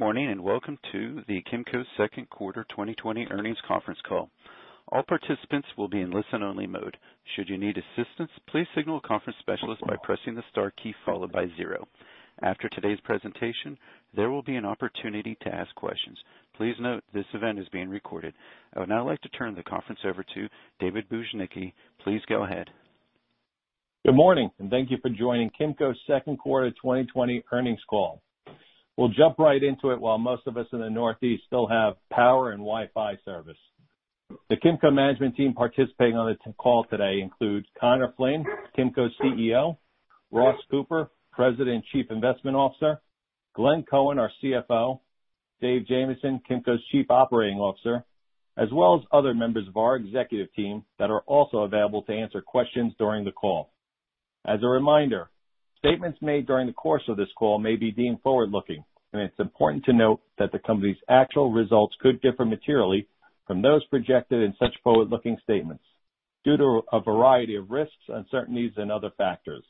Good morning. Welcome to the Kimco Q2 2020 Earnings Conference Call. All participants wiil be in listen only mode, should need assistent please signal conference specialists by clicking the star key followed by zero. After today persentation there will be an opportunity to ask question. Please note this event is being recorded I would now like to turn the conference over to David Bujnicki. Please go ahead. Good morning, and thank you for joining Kimco's Q2 2020 Earnings Call. We'll jump right into it while most of us in the Northeast still have power and Wi-Fi service. The Kimco management team participating on the call today includes Conor Flynn, Kimco's CEO, Ross Cooper, President Chief Investment Officer, Glenn Cohen, our CFO, Dave Jamieson, Kimco's Chief Operating Officer, as well as other members of our executive team that are also available to answer questions during the call. As a reminder, statements made during the course of this call may be deemed forward-looking, it's important to note that the company's actual results could differ materially from those projected in such forward-looking statements due to a variety of risks, uncertainties, and other factors.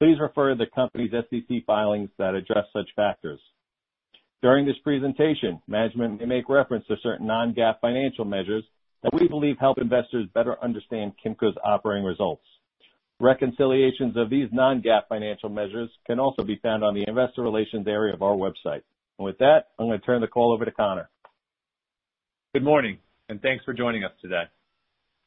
Please refer to the company's SEC filings that address such factors. During this presentation, management may make reference to certain non-GAAP financial measures that we believe help investors better understand Kimco's operating results. Reconciliations of these non-GAAP financial measures can also be found on the investor relations area of our website. With that, I'm going to turn the call over to Conor. Good morning, and thanks for joining us today.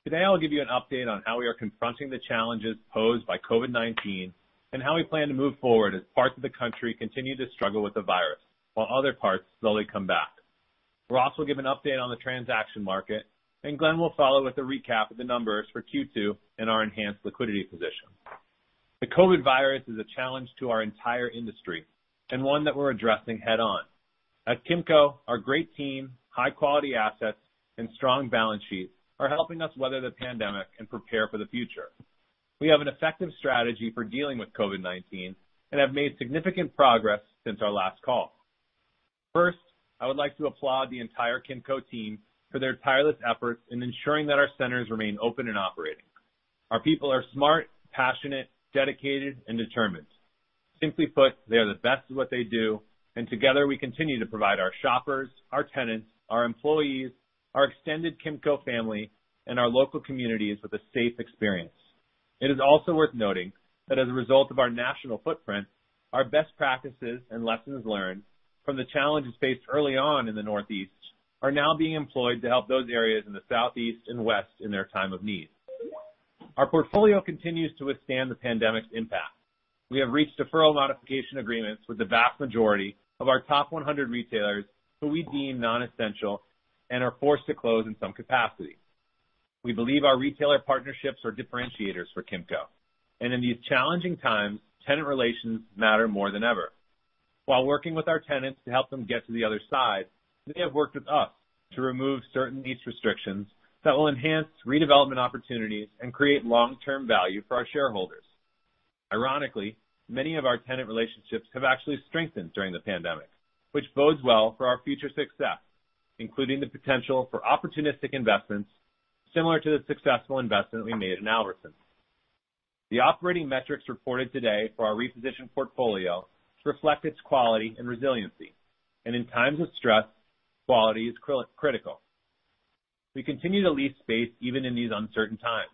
Today, I'll give you an update on how we are confronting the challenges posed by COVID-19 and how we plan to move forward as parts of the country continue to struggle with the virus, while other parts slowly come back. Ross will give an update on the transaction market, and Glenn will follow with a recap of the numbers for Q2 and our enhanced liquidity position. The COVID virus is a challenge to our entire industry and one that we're addressing head-on. At Kimco, our great team, high-quality assets, and strong balance sheet are helping us weather the pandemic and prepare for the future. We have an effective strategy for dealing with COVID-19 and have made significant progress since our last call. First, I would like to applaud the entire Kimco team for their tireless efforts in ensuring that our centers remain open and operating. Our people are smart, passionate, dedicated, and determined. Simply put, they are the best at what they do, and together, we continue to provide our shoppers, our tenants, our employees, our extended Kimco family, and our local communities with a safe experience. It is also worth noting that as a result of our national footprint, our best practices and lessons learned from the challenges faced early on in the Northeast are now being employed to help those areas in the Southeast and West in their time of need. Our portfolio continues to withstand the pandemic's impact. We have reached deferral modification agreements with the vast majority of our top 100 retailers who we deem non-essential and are forced to close in some capacity. We believe our retailer partnerships are differentiators for Kimco, and in these challenging times, tenant relations matter more than ever. While working with our tenants to help them get to the other side, they have worked with us to remove certain lease restrictions that will enhance redevelopment opportunities and create long-term value for our shareholders. Ironically, many of our tenant relationships have actually strengthened during the pandemic, which bodes well for our future success, including the potential for opportunistic investments similar to the successful investment we made in Albertsons. The operating metrics reported today for our repositioned portfolio reflect its quality and resiliency, and in times of stress, quality is critical. We continue to lease space even in these uncertain times.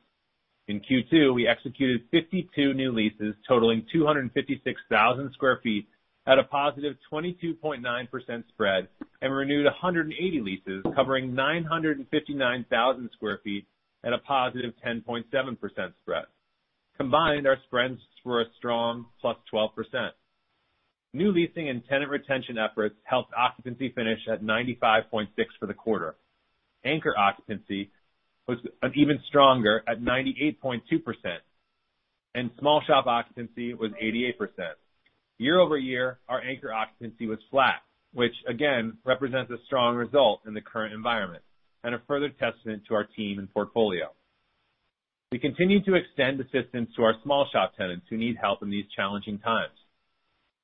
In Q2, we executed 52 new leases totaling 256,000 sq ft at a positive 22.9% spread, and renewed 180 leases covering 959,000 sq ft at a positive 10.7% spread. Combined, our spreads were a strong +12%. New leasing and tenant retention efforts helped occupancy finish at 95.6% for the quarter. Anchor occupancy was even stronger at 98.2%, and small shop occupancy was 88%. Year-over-year, our anchor occupancy was flat, which again represents a strong result in the current environment and a further testament to our team and portfolio. We continue to extend assistance to our small shop tenants who need help in these challenging times.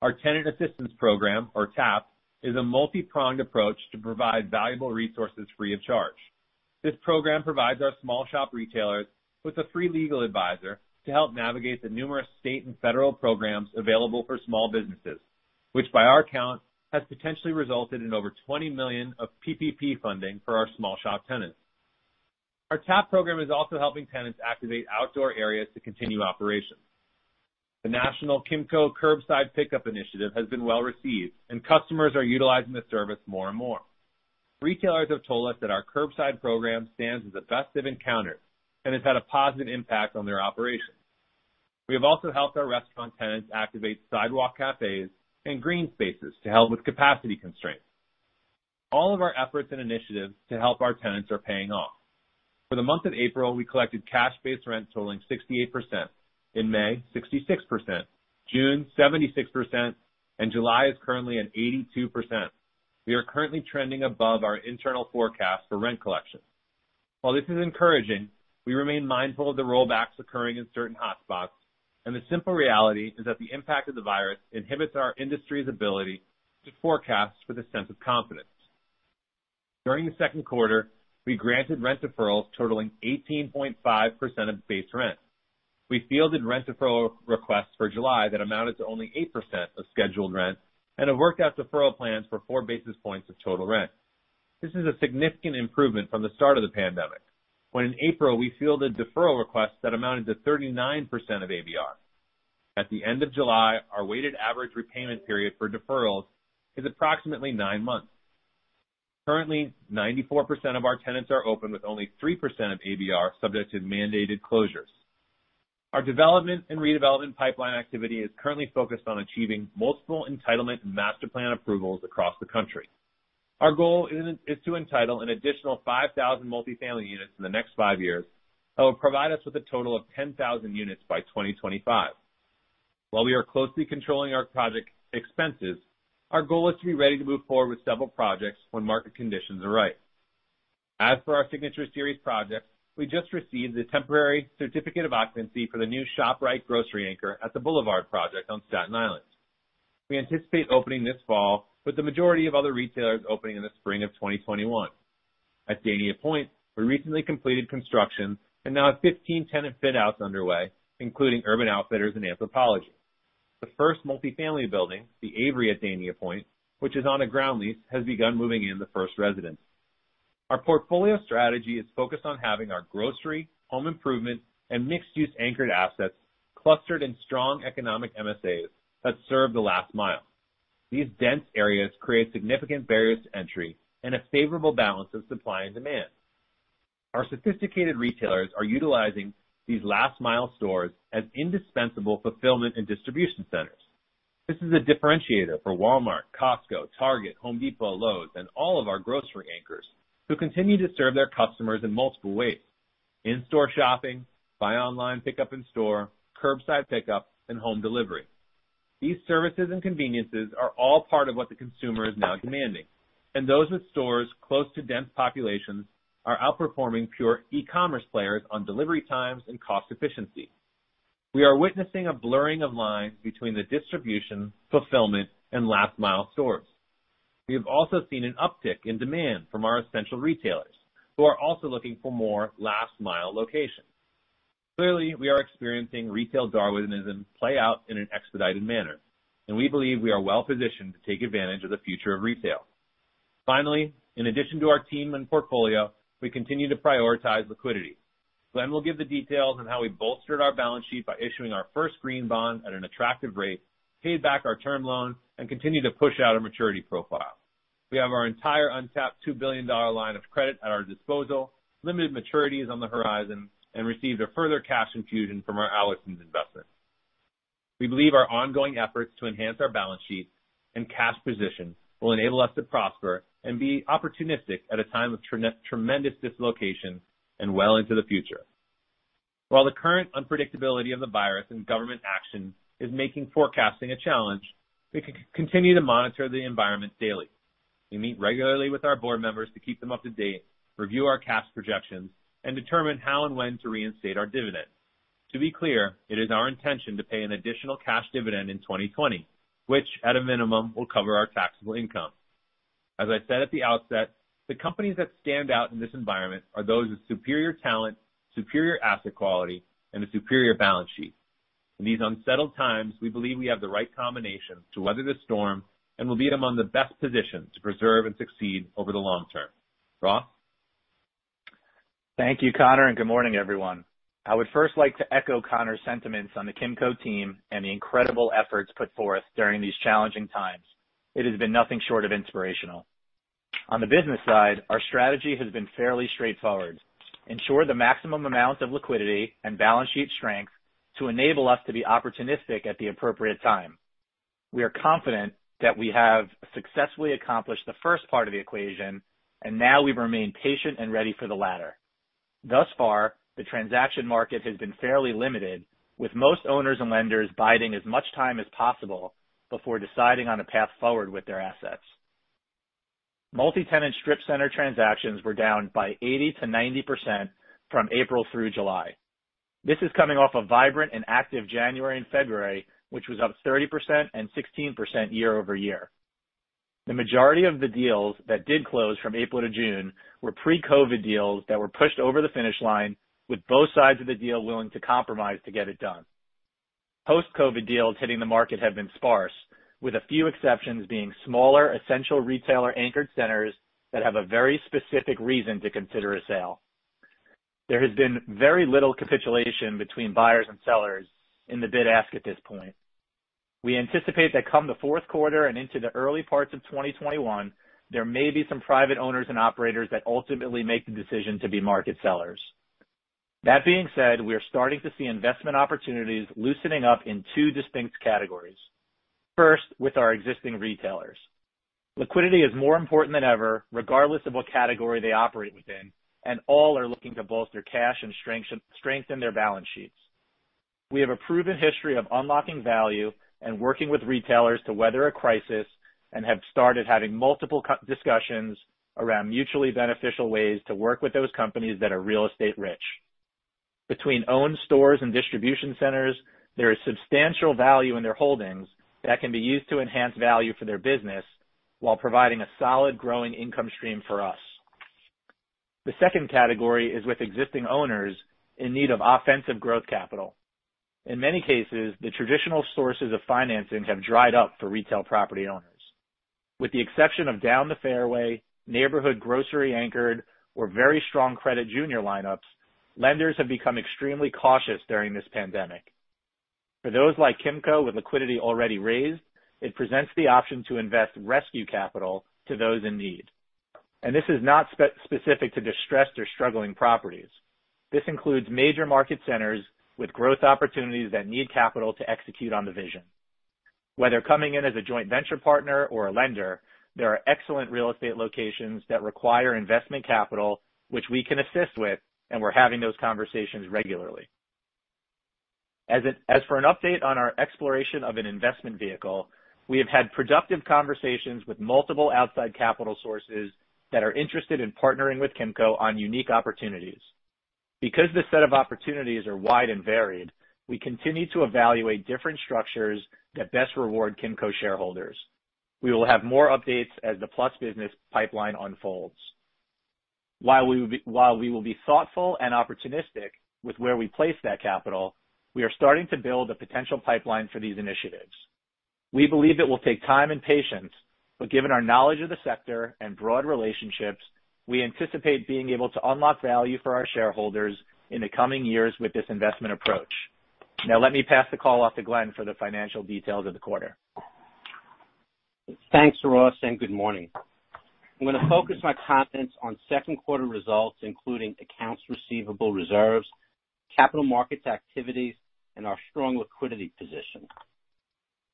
Our Tenant Assistance Program, or TAP, is a multi-pronged approach to provide valuable resources free of charge. This program provides our small shop retailers with a free legal advisor to help navigate the numerous state and federal programs available for small businesses, which, by our count, has potentially resulted in over $20 million of PPP funding for our small shop tenants. Our TAP program is also helping tenants activate outdoor areas to continue operations. The national Kimco Curbside Pickup initiative has been well-received, and customers are utilizing the service more and more. Retailers have told us that our curbside program stands as the best they've encountered and has had a positive impact on their operations. We have also helped our restaurant tenants activate sidewalk cafes and green spaces to help with capacity constraints. All of our efforts and initiatives to help our tenants are paying off. For the month of April, we collected cash-based rent totaling 68%. In May, 66%, June, 76%, and July is currently at 82%. We are currently trending above our internal forecast for rent collection. While this is encouraging, we remain mindful of the rollbacks occurring in certain hotspots. The simple reality is that the impact of the virus inhibits our industry's ability to forecast with a sense of confidence. During the second quarter, we granted rent deferrals totaling 18.5% of base rent. We fielded rent deferral requests for July that amounted to only 8% of scheduled rent and have worked out deferral plans for 4 basis points of total rent. This is a significant improvement from the start of the pandemic, when in April we fielded deferral requests that amounted to 39% of ABR. At the end of July, our weighted average repayment period for deferrals is approximately nine months. Currently, 94% of our tenants are open, with only 3% of ABR subject to mandated closures. Our development and redevelopment pipeline activity is currently focused on achieving multiple entitlement master plan approvals across the country. Our goal is to entitle an additional 5,000 multifamily units in the next five years that will provide us with a total of 10,000 units by 2025. While we are closely controlling our project expenses, our goal is to be ready to move forward with several projects when market conditions are right. As for our Signature Series project, we just received the temporary certificate of occupancy for the new ShopRite grocery anchor at the Boulevard project on Staten Island. We anticipate opening this fall with the majority of other retailers opening in the spring of 2021. At Dania Pointe, we recently completed construction and now have 15 tenant fit outs underway, including Urban Outfitters and Anthropologie. The first multifamily building, The Avery at Dania Pointe, which is on a ground lease, has begun moving in the first residents. Our portfolio strategy is focused on having our grocery, home improvement, and mixed-use anchored assets clustered in strong economic MSAs that serve the last mile. These dense areas create significant barriers to entry and a favorable balance of supply and demand. Our sophisticated retailers are utilizing these last-mile stores as indispensable fulfillment and distribution centers. This is a differentiator for Walmart, Costco, Target, Home Depot, Lowe's, and all of our grocery anchors who continue to serve their customers in multiple ways: in-store shopping, buy online, pickup in store, curbside pickup, and home delivery. These services and conveniences are all part of what the consumer is now demanding, and those with stores close to dense populations are outperforming pure e-commerce players on delivery times and cost efficiency. We are witnessing a blurring of lines between the distribution, fulfillment, and last-mile stores. We have also seen an uptick in demand from our essential retailers who are also looking for more last-mile locations. Clearly, we are experiencing Retail Darwinism play out in an expedited manner, and we believe we are well-positioned to take advantage of the future of retail. Finally, in addition to our team and portfolio, we continue to prioritize liquidity. Glenn will give the details on how we bolstered our balance sheet by issuing our first green bond at an attractive rate, paid back our term loan, and continue to push out a maturity profile. We have our entire untapped $2 billion line of credit at our disposal, limited maturities on the horizon, and received a further cash infusion from our Albertsons investment. We believe our ongoing efforts to enhance our balance sheet and cash position will enable us to prosper and be opportunistic at a time of tremendous dislocation and well into the future. While the current unpredictability of the virus and government action is making forecasting a challenge, we continue to monitor the environment daily. We meet regularly with our board members to keep them up to date, review our cash projections, and determine how and when to reinstate our dividend. To be clear, it is our intention to pay an additional cash dividend in 2020, which at a minimum, will cover our taxable income. As I said at the outset, the companies that stand out in this environment are those with superior talent, superior asset quality, and a superior balance sheet. In these unsettled times, we believe we have the right combination to weather the storm and will be among the best positioned to preserve and succeed over the long term. Ross? Thank you, Conor, and good morning, everyone. I would first like to echo Conor's sentiments on the Kimco team and the incredible efforts put forth during these challenging times. It has been nothing short of inspirational. On the business side, our strategy has been fairly straightforward: ensure the maximum amount of liquidity and balance sheet strength to enable us to be opportunistic at the appropriate time. We are confident that we have successfully accomplished the first part of the equation, and now we remain patient and ready for the latter. Thus far, the transaction market has been fairly limited, with most owners and lenders biding as much time as possible before deciding on a path forward with their assets. Multi-tenant strip center transactions were down by 80%-90% from April through July. This is coming off a vibrant and active January and February, which was up 30% and 16% year-over-year. The majority of the deals that did close from April to June were pre-COVID deals that were pushed over the finish line with both sides of the deal willing to compromise to get it done. Post-COVID deals hitting the market have been sparse, with a few exceptions being smaller, essential retailer-anchored centers that have a very specific reason to consider a sale. There has been very little capitulation between buyers and sellers in the bid-ask at this point. We anticipate that come the fourth quarter and into the early parts of 2021, there may be some private owners and operators that ultimately make the decision to be market sellers. That being said, we are starting to see investment opportunities loosening up in two distinct categories. First, with our existing retailers. Liquidity is more important than ever, regardless of what category they operate within, and all are looking to bolster cash and strengthen their balance sheets. We have a proven history of unlocking value and working with retailers to weather a crisis and have started having multiple discussions around mutually beneficial ways to work with those companies that are real estate rich. Between owned stores and distribution centers, there is substantial value in their holdings that can be used to enhance value for their business while providing a solid growing income stream for us. The second category is with existing owners in need of offensive growth capital. In many cases, the traditional sources of financing have dried up for retail property owners. With the exception of down the fairway, neighborhood grocery anchored or very strong credit junior lineups, lenders have become extremely cautious during this pandemic. For those like Kimco with liquidity already raised, it presents the option to invest rescue capital to those in need. This is not specific to distressed or struggling properties. This includes major market centers with growth opportunities that need capital to execute on the vision. Whether coming in as a joint venture partner or a lender, there are excellent real estate locations that require investment capital, which we can assist with, and we're having those conversations regularly. As for an update on our exploration of an investment vehicle, we have had productive conversations with multiple outside capital sources that are interested in partnering with Kimco on unique opportunities. Because this set of opportunities are wide and varied, we continue to evaluate different structures that best reward Kimco shareholders. We will have more updates as the PLUS business pipeline unfolds. While we will be thoughtful and opportunistic with where we place that capital, we are starting to build a potential pipeline for these initiatives. We believe it will take time and patience, given our knowledge of the sector and broad relationships, we anticipate being able to unlock value for our shareholders in the coming years with this investment approach. Now, let me pass the call off to Glenn for the financial details of the quarter. Thanks, Ross, and good morning. I'm going to focus my comments on second quarter results, including accounts receivable reserves, capital markets activities, and our strong liquidity position.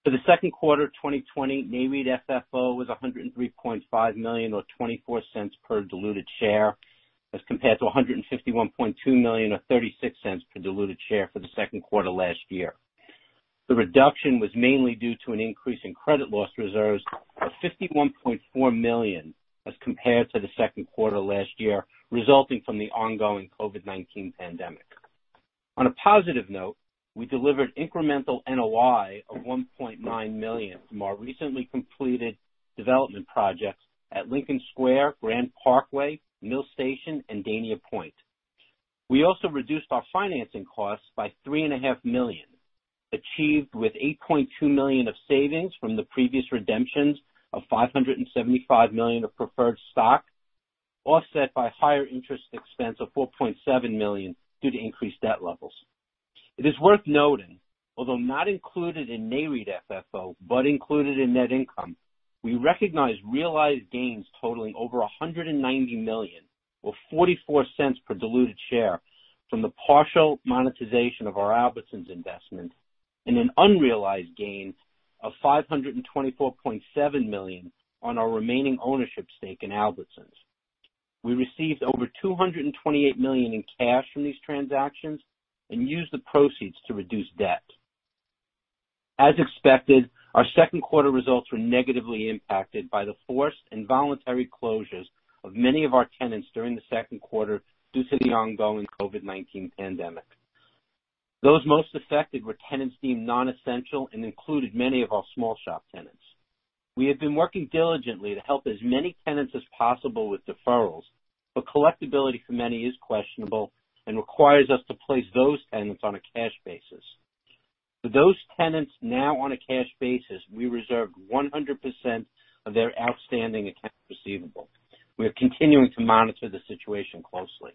For the second quarter 2020, NAREIT FFO was $103.5 million, or $0.24 per diluted share, as compared to $151.2 million, or $0.36 per diluted share for the second quarter last year. The reduction was mainly due to an increase in credit loss reserves of $51.4 million as compared to the second quarter last year, resulting from the ongoing COVID-19 pandemic. On a positive note, we delivered incremental NOI of $1.9 million from our recently completed development projects at Lincoln Square, Grand Parkway, Mill Station, and Dania Pointe. We also reduced our financing costs by three and a half million, achieved with $8.2 million of savings from the previous redemptions of $575 million of preferred stock, offset by higher interest expense of $4.7 million due to increased debt levels. It is worth noting, although not included in NAREIT FFO, but included in net income, we recognize realized gains totaling over $190 million, or $0.44 per diluted share from the partial monetization of our Albertsons investment and an unrealized gain of $524.7 million on our remaining ownership stake in Albertsons. We received over $228 million in cash from these transactions and used the proceeds to reduce debt. As expected, our second quarter results were negatively impacted by the forced involuntary closures of many of our tenants during the second quarter due to the ongoing COVID-19 pandemic. Those most affected were tenants deemed non-essential and included many of our small shop tenants. We have been working diligently to help as many tenants as possible with deferrals, but collectibility for many is questionable and requires us to place those tenants on a cash basis. For those tenants now on a cash basis, we reserve 100% of their outstanding accounts receivable. We are continuing to monitor the situation closely.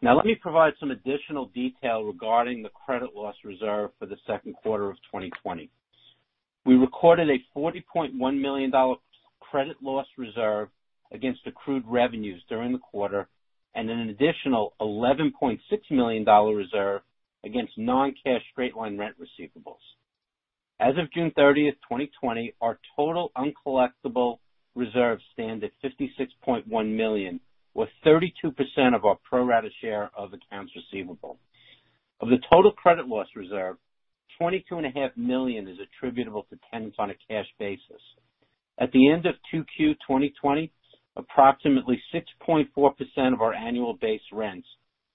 Now, let me provide some additional detail regarding the credit loss reserve for the second quarter of 2020. We recorded a $40.1 million credit loss reserve against accrued revenues during the quarter, and an additional $11.6 million reserve against non-cash straight-line rent receivables. As of June thirtieth, 2020, our total uncollectible reserves stand at $56.1 million, or 32% of our pro rata share of accounts receivable. Of the total credit loss reserve, $22.5 million is attributable to tenants on a cash basis. At the end of 2Q 2020, approximately 6.4% of our annual base rents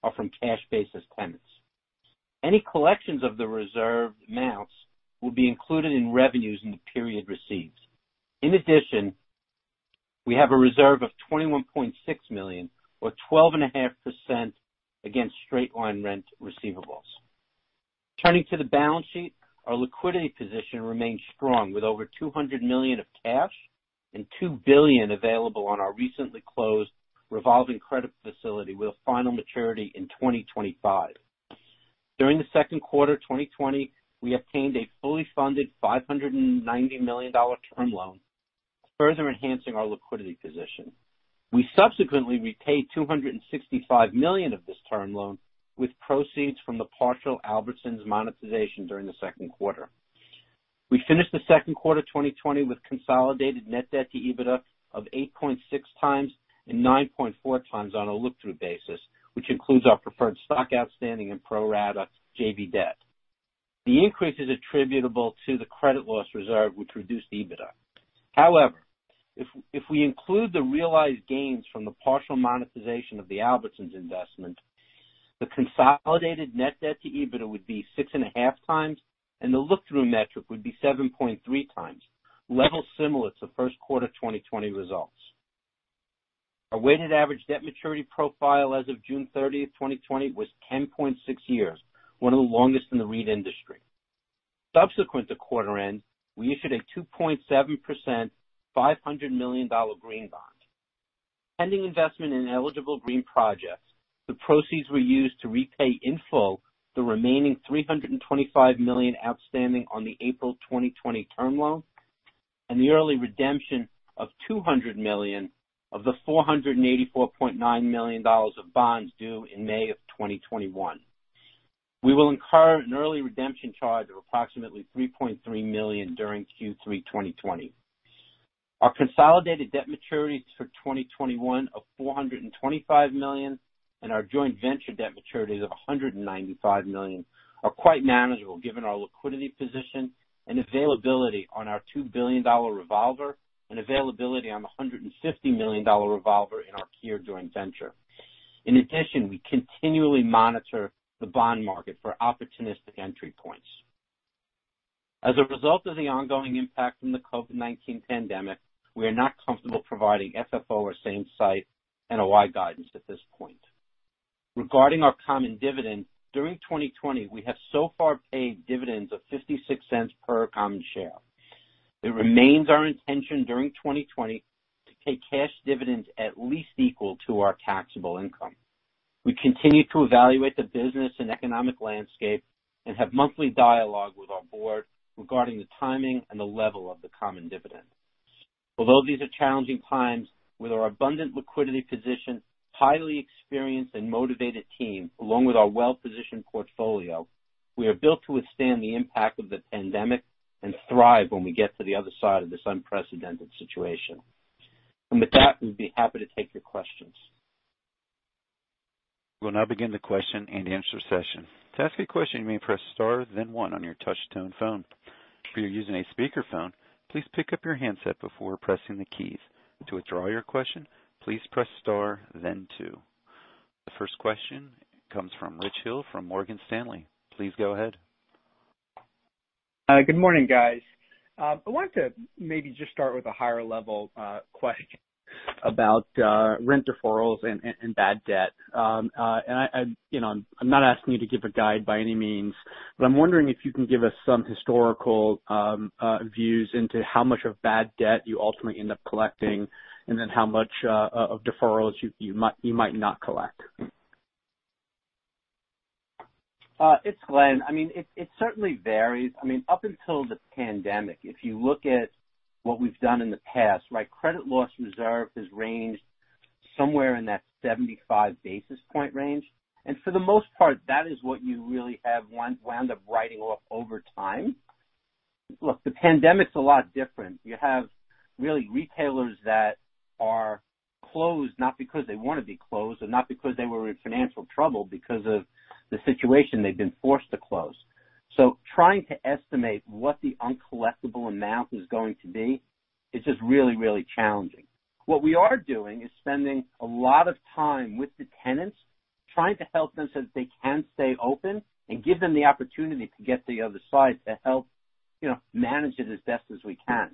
are from cash basis tenants. Any collections of the reserve amounts will be included in revenues in the period received. In addition, we have a reserve of $21.6 million, or 12.5% against straight-line rent receivables. Turning to the balance sheet, our liquidity position remains strong with over $200 million of cash and $2 billion available on our recently closed revolving credit facility with a final maturity in 2025. During the second quarter 2020, we obtained a fully funded $590 million term loan, further enhancing our liquidity position. We subsequently repaid $265 million of this term loan with proceeds from the partial Albertsons monetization during the second quarter. We finished the second quarter 2020 with consolidated net debt to EBITDA of 8.6 times and 9.4 times on a look-through basis, which includes our preferred stock outstanding and pro rata JV debt. The increase is attributable to the credit loss reserve, which reduced EBITDA. However, if we include the realized gains from the partial monetization of the Albertsons investment, the consolidated net debt to EBITDA would be 6.5 times, and the look-through metric would be 7.3 times, level similar to first quarter 2020 results. Our weighted average debt maturity profile as of June 30, 2020, was 10.6 years, one of the longest in the REIT industry. Subsequent to quarter end, we issued a 2.7%, $500 million green bond. Pending investment in eligible green projects, the proceeds were used to repay in full the remaining $325 million outstanding on the April 2020 term loan and the early redemption of $200 million of the $484.9 million of bonds due in May of 2021. We will incur an early redemption charge of approximately $3.3 million during Q3 2020. Our consolidated debt maturities for 2021 of $425 million and our joint venture debt maturities of $195 million are quite manageable given our liquidity position and availability on our $2 billion revolver and availability on the $150 million revolver in our [KIA] joint venture. In addition, we continually monitor the bond market for opportunistic entry points. As a result of the ongoing impact from the COVID-19 pandemic, we are not comfortable providing FFO or same-site NOI guidance at this point. Regarding our common dividend, during 2020, we have so far paid dividends of $0.56 per common share. It remains our intention during 2020 to pay cash dividends at least equal to our taxable income. We continue to evaluate the business and economic landscape and have monthly dialogue with our board regarding the timing and the level of the common dividend. Although these are challenging times, with our abundant liquidity position, highly experienced and motivated team, along with our well-positioned portfolio, we are built to withstand the impact of the pandemic and thrive when we get to the other side of this unprecedented situation. With that, we'd be happy to take your questions. We'll now begin the question and answer session. To ask a question, you may press star then one on your touch-tone phone. If you're using a speakerphone, please pick up your handset before pressing the keys. To withdraw your question, please press star then two. The first question comes from Rich Hill from Morgan Stanley. Please go ahead. Hi. Good morning, guys. I wanted to maybe just start with a higher level question about rent deferrals and bad debt. I'm not asking you to give a guide by any means, but I'm wondering if you can give us some historical views into how much of bad debt you ultimately end up collecting, and then how much of deferrals you might not collect? It's Glenn. It certainly varies. Up until the pandemic, if you look at what we've done in the past, my credit loss reserve has ranged somewhere in that 75 basis point range. For the most part, that is what you really have wound up writing off over time. Look, the pandemic's a lot different. You have really retailers that are closed, not because they want to be closed and not because they were in financial trouble. Because of the situation, they've been forced to close. Trying to estimate what the uncollectible amount is going to be is just really, really challenging. What we are doing is spending a lot of time with the tenants trying to help them so that they can stay open and give them the opportunity to get to the other side to help manage it as best as we can.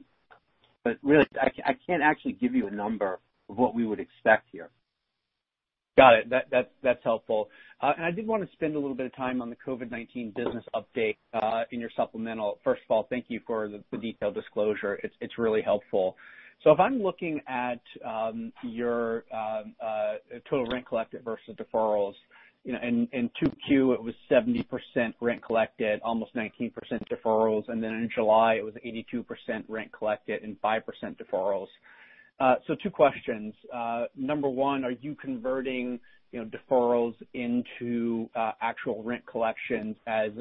Really, I can't actually give you a number of what we would expect here. Got it. That's helpful. I did want to spend a little bit of time on the COVID-19 business update in your supplemental. First of all, thank you for the detailed disclosure. It's really helpful. If I'm looking at your total rent collected versus deferrals, in 2Q, it was 70% rent collected, almost 19% deferrals, and then in July, it was 82% rent collected and 5% deferrals. Two questions. Number one, are you converting deferrals into actual rent collections as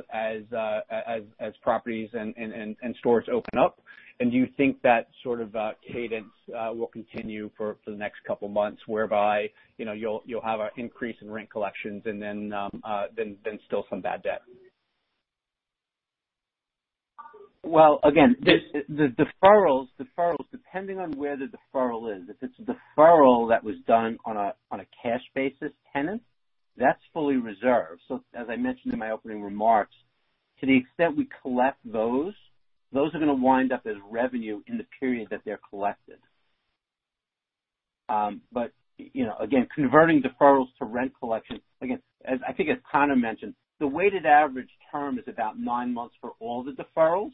properties and stores open up? And do you think that sort of cadence will continue for the next couple of months, whereby you'll have an increase in rent collections and then still some bad debt? Well, again, the deferrals, depending on where the deferral is. If it's a deferral that was done on a cash basis tenant, that's fully reserved. As I mentioned in my opening remarks, to the extent we collect those are going to wind up as revenue in the period that they're collected. Again, converting deferrals to rent collections, I think as Conor mentioned, the weighted average term is about nine months for all the deferrals.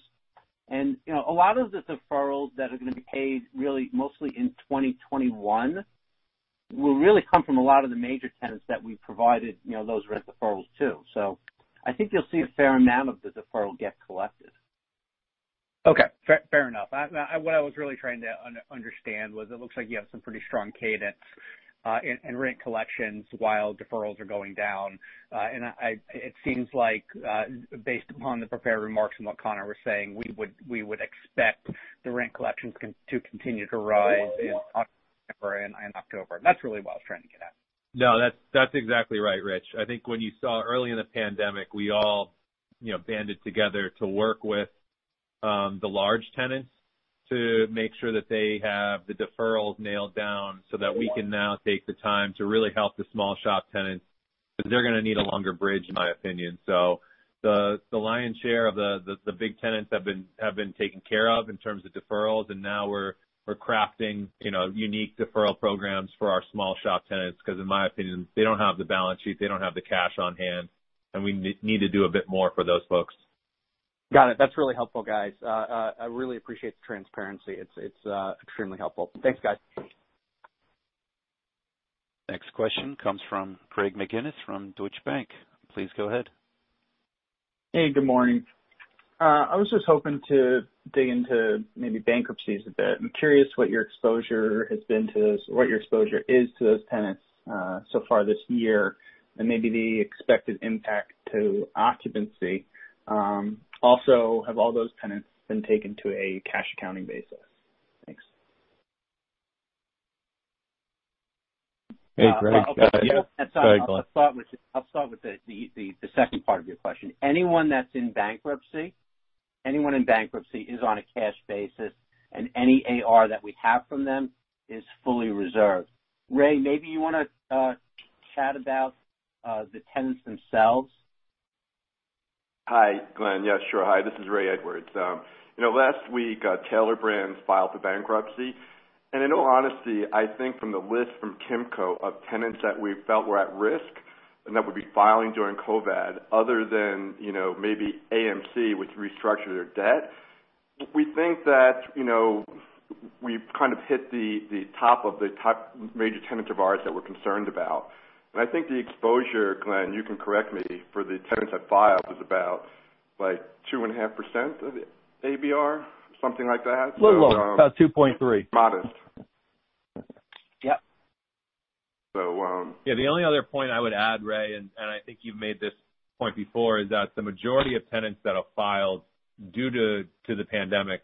A lot of the deferrals that are going to be paid really mostly in 2021 will really come from a lot of the major tenants that we provided those rent deferrals to. I think you'll see a fair amount of the deferral get collected. Okay, fair enough. What I was really trying to understand was it looks like you have some pretty strong cadence in rent collections while deferrals are going down. It seems like based upon the prepared remarks and what Conor was saying, we would expect the rent collections to continue to rise in September and October. That's really what I was trying to get at. No, that's exactly right, Rich. I think when you saw early in the pandemic, we all banded together to work with the large tenants to make sure that they have the deferrals nailed down so that we can now take the time to really help the small shop tenants, because they're going to need a longer bridge, in my opinion. The lion's share of the big tenants have been taken care of in terms of deferrals, and now we're crafting unique deferral programs for our small shop tenants because, in my opinion, they don't have the balance sheet, they don't have the cash on hand, and we need to do a bit more for those folks. Got it. That's really helpful, guys. I really appreciate the transparency. It's extremely helpful. Thanks, guys. Next question comes from [Craig McGinnis] from Deutsche Bank. Please go ahead. Hey, good morning. I was just hoping to dig into maybe bankruptcies a bit. I'm curious what your exposure is to those tenants so far this year, and maybe the expected impact to occupancy. Also, have all those tenants been taken to a cash accounting basis? Thanks. Hey, Craig. Go ahead. I'll start with the second part of your question. Anyone that's in bankruptcy is on a cash basis, and any AR that we have from them is fully reserved. Ray, maybe you want to chat about the tenants themselves. Hi, Glenn. Yeah, sure. Hi, this is Ray Edwards. Last week, Tailored Brands filed for bankruptcy. In all honesty, I think from the list from Kimco of tenants that we felt were at risk and that would be filing during COVID, other than maybe AMC, which restructured their debt, we think that we've kind of hit the top of the major tenants of ours that we're concerned about. I think the exposure, Glenn, you can correct me, for the tenants that filed was about 2.5% of the ABR, something like that. Little low. About 2.3. Modest. Yep. So- Yeah. The only other point I would add, Ray, and I think you've made this point before, is that the majority of tenants that have filed due to the pandemic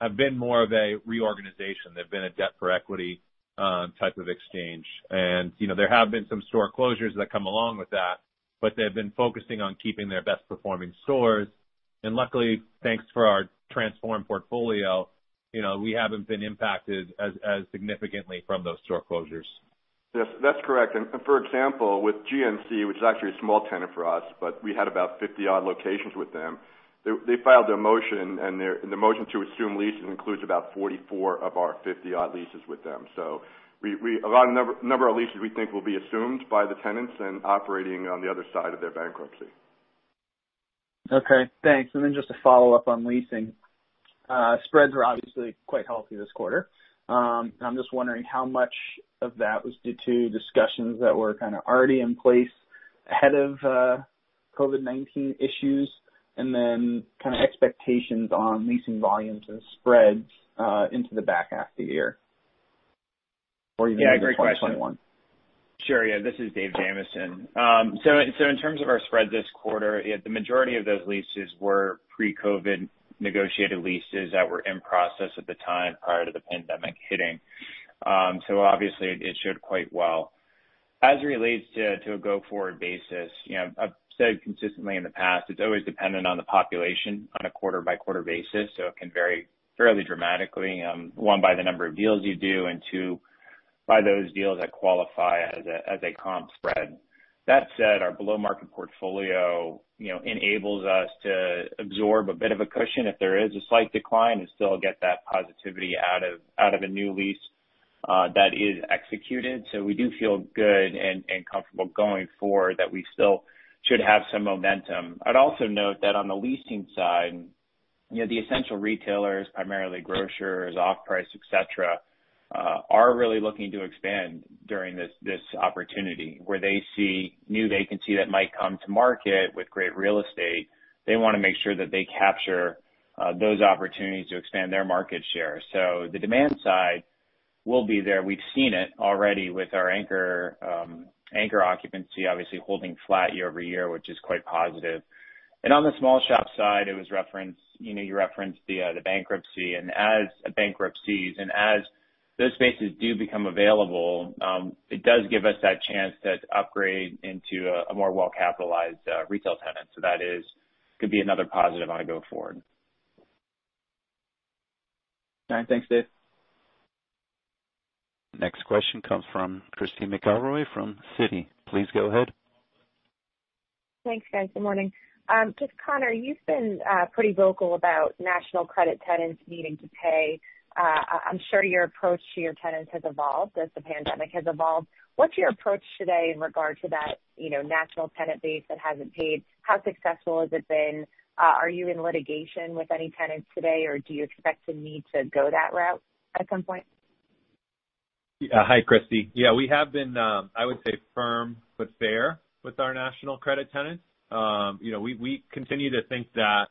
have been more of a reorganization. They've been a debt for equity type of exchange. There have been some store closures that come along with that, but they've been focusing on keeping their best performing stores. Luckily, thanks for our transformed portfolio, we haven't been impacted as significantly from those store closures. Yes, that's correct. For example, with GNC, which is actually a small tenant for us, but we had about 50-odd locations with them. They filed their motion, and the motion to assume leases includes about 44 of our 50-odd leases with them. A lot of number of leases we think will be assumed by the tenants and operating on the other side of their bankruptcy. Okay, thanks. Just to follow up on leasing. Spreads were obviously quite healthy this quarter. I'm just wondering how much of that was due to discussions that were kind of already in place ahead of COVID-19 issues and then kind of expectations on leasing volumes and spreads into the back half of the year or even into 2021? Sure, yeah. This is Dave Jamieson. In terms of our spread this quarter, the majority of those leases were pre-COVID negotiated leases that were in process at the time prior to the pandemic hitting. Obviously it showed quite well. As it relates to a go-forward basis, I've said consistently in the past, it's always dependent on the population on a quarter-by-quarter basis, it can vary fairly dramatically, one, by the number of deals you do, and two, by those deals that qualify as a comp spread. That said, our below-market portfolio enables us to absorb a bit of a cushion if there is a slight decline and still get that positivity out of a new lease that is executed. We do feel good and comfortable going forward that we still should have some momentum. I'd also note that on the leasing side, the essential retailers, primarily grocers, off-price, et cetera, are really looking to expand during this opportunity where they see new vacancy that might come to market with great real estate. They want to make sure that they capture those opportunities to expand their market share. The demand side will be there. We've seen it already with our anchor occupancy, obviously holding flat year-over-year, which is quite positive. On the small shop side, you referenced the bankruptcy, and as bankruptcies, as those spaces do become available, it does give us that chance to upgrade into a more well-capitalized retail tenant. That could be another positive on a go forward. All right. Thanks, Dave. Next question comes from Christy McElroy from Citi. Please go ahead. Thanks, guys. Good morning. Conor, you've been pretty vocal about national credit tenants needing to pay. I'm sure your approach to your tenants has evolved as the pandemic has evolved. What's your approach today in regard to that national tenant base that hasn't paid? How successful has it been? Are you in litigation with any tenants today, or do you expect to need to go that route at some point? Hi, Christy. Yeah, we have been, I would say, firm but fair with our national credit tenants. We continue to think that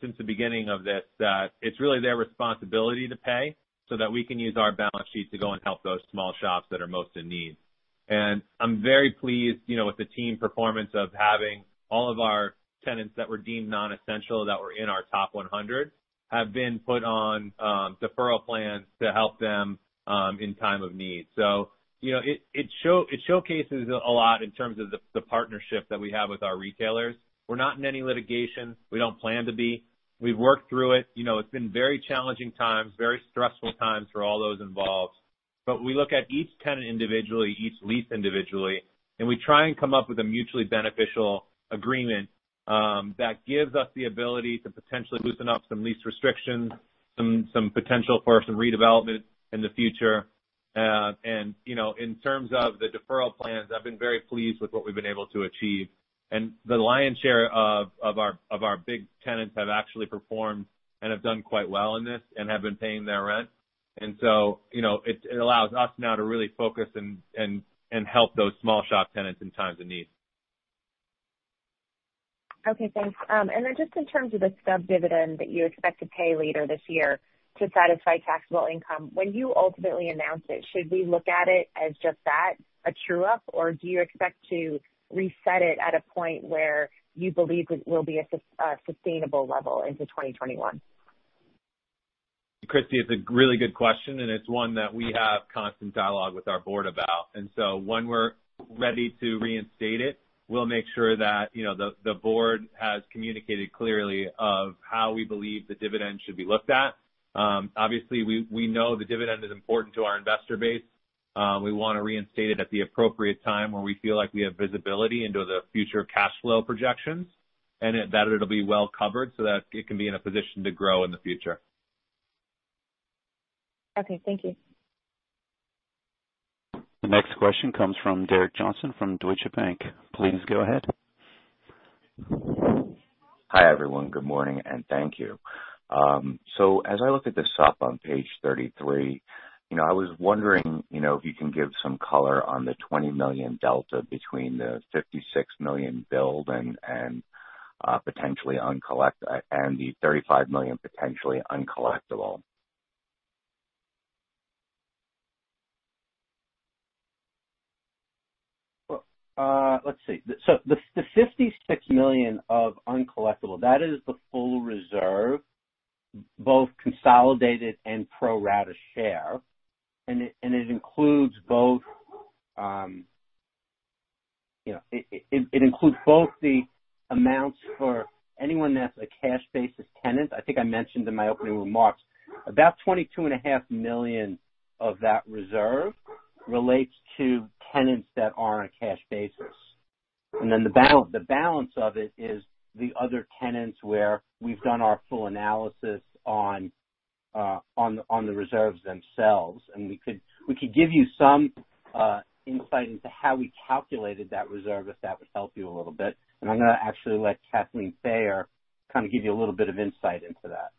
since the beginning of this, that it's really their responsibility to pay so that we can use our balance sheet to go and help those small shops that are most in need. I'm very pleased with the team performance of having all of our tenants that were deemed non-essential that were in our top 100, have been put on deferral plans to help them in time of need. It showcases a lot in terms of the partnership that we have with our retailers. We're not in any litigation. We don't plan to be. We've worked through it. It's been very challenging times, very stressful times for all those involved. We look at each tenant individually, each lease individually, and we try and come up with a mutually beneficial agreement that gives us the ability to potentially loosen up some lease restrictions, some potential for some redevelopment in the future. In terms of the deferral plans, I've been very pleased with what we've been able to achieve. The lion's share of our big tenants have actually performed and have done quite well in this and have been paying their rent. It allows us now to really focus and help those small shop tenants in times of need. Okay, thanks. Just in terms of the stub dividend that you expect to pay later this year to satisfy taxable income, when you ultimately announce it, should we look at it as just that, a true-up, or do you expect to reset it at a point where you believe it will be a sustainable level into 2021? Christy, it's a really good question, and it's one that we have constant dialogue with our board about. When we're ready to reinstate it, we'll make sure that the board has communicated clearly of how we believe the dividend should be looked at. Obviously, we know the dividend is important to our investor base. We want to reinstate it at the appropriate time when we feel like we have visibility into the future cash flow projections, and that it'll be well covered so that it can be in a position to grow in the future. Okay, thank you. The next question comes from Derek Johnston from Deutsche Bank. Please go ahead. Hi, everyone. Good morning. Thank you. As I look at the SUP on page 33, I was wondering if you can give some color on the $20 million delta between the $56 million build and the $35 million potentially uncollectible. Well. Let's see. The $56 million of uncollectible, that is the full reserve, both consolidated and pro rata share. It includes both the amounts for anyone that's a cash basis tenant. I think I mentioned in my opening remarks, about $22.5 million of that reserve relates to tenants that are on a cash basis. The balance of it is the other tenants where we've done our full analysis on the reserves themselves. We could give you some insight into how we calculated that reserve, if that would help you a little bit. I'm going to actually let Kathleen Thayer kind of give you a little bit of insight into that.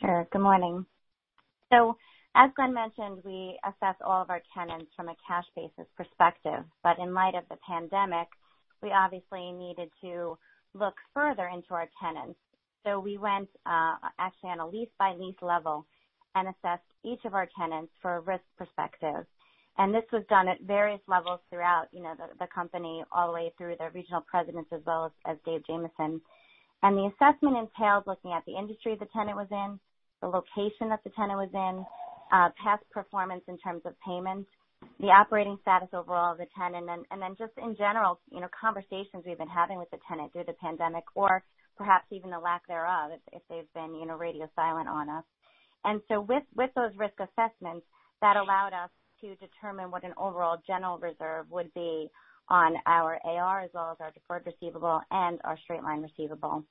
Sure. Good morning. As Glenn mentioned, we assess all of our tenants from a cash basis perspective. In light of the pandemic, we obviously needed to look further into our tenants. We went actually on a lease by lease level and assessed each of our tenants for a risk perspective. This was done at various levels throughout the company, all the way through the regional presidents, as well as Dave Jamieson. The assessment entails looking at the industry the tenant was in, the location that the tenant was in, past performance in terms of payments, the operating status overall of the tenant, and then just in general conversations we've been having with the tenant through the pandemic, or perhaps even the lack thereof, if they've been radio silent on us. With those risk assessments, that allowed us to determine what an overall general reserve would be on our AR as well as our deferred receivable and our straight-line receivable.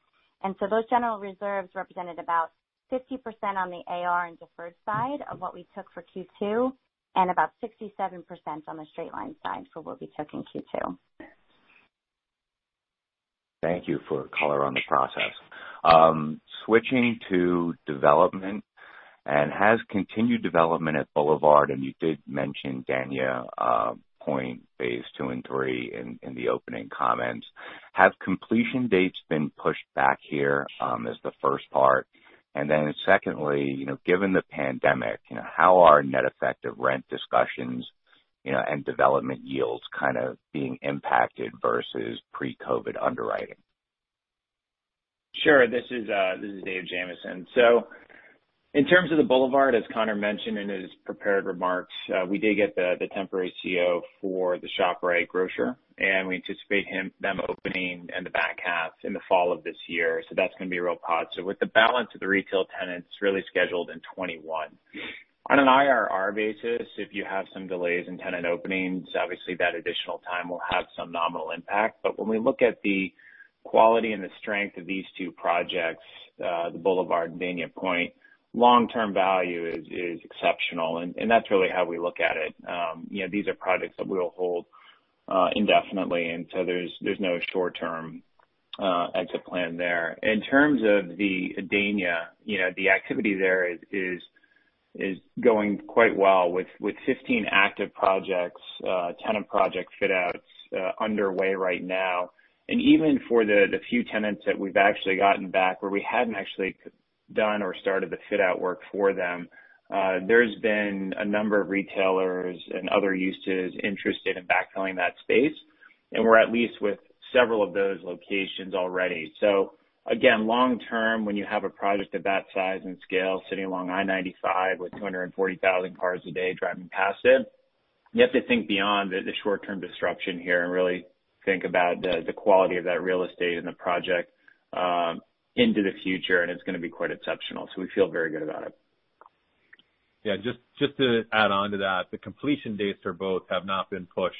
Those general reserves represented about 50% on the AR and deferred side of what we took for Q2, and about 67% on the straight-line side for what we took in Q2. Thank you for color on the process. Switching to development, has continued development at Boulevard, you did mention Dania Pointe phase 2 and 3 in the opening comments. Have completion dates been pushed back here? Is the first part. Secondly, given the pandemic, how are net effective rent discussions and development yields kind of being impacted versus pre-COVID-19 underwriting? Sure. This is Dave Jamieson. In terms of the Boulevard, as Conor mentioned in his prepared remarks, we did get the temporary CO for the ShopRite grocer, and we anticipate them opening in the back half in the fall of this year. That's going to be a real positive. With the balance of the retail tenants really scheduled in 2021. On an IRR basis, if you have some delays in tenant openings, obviously that additional time will have some nominal impact. When we look at the quality and the strength of these two projects, the Boulevard and Dania Pointe, long-term value is exceptional, and that's really how we look at it. These are projects that we'll hold indefinitely, and so there's no short-term exit plan there. In terms of Dania Pointe, the activity there is going quite well with 15 active projects, tenant project fit-outs underway right now. Even for the few tenants that we've actually gotten back where we hadn't actually done or started the fit-out work for them, there's been a number of retailers and other uses interested in backfilling that space, and we're at lease with several of those locations already. Again, long term, when you have a project of that size and scale sitting along I-95 with 240,000 cars a day driving past it, you have to think beyond the short-term disruption here and really think about the quality of that real estate and the project into the future, and it's going to be quite exceptional. We feel very good about it. Yeah. Just to add on to that. The completion dates for both have not been pushed,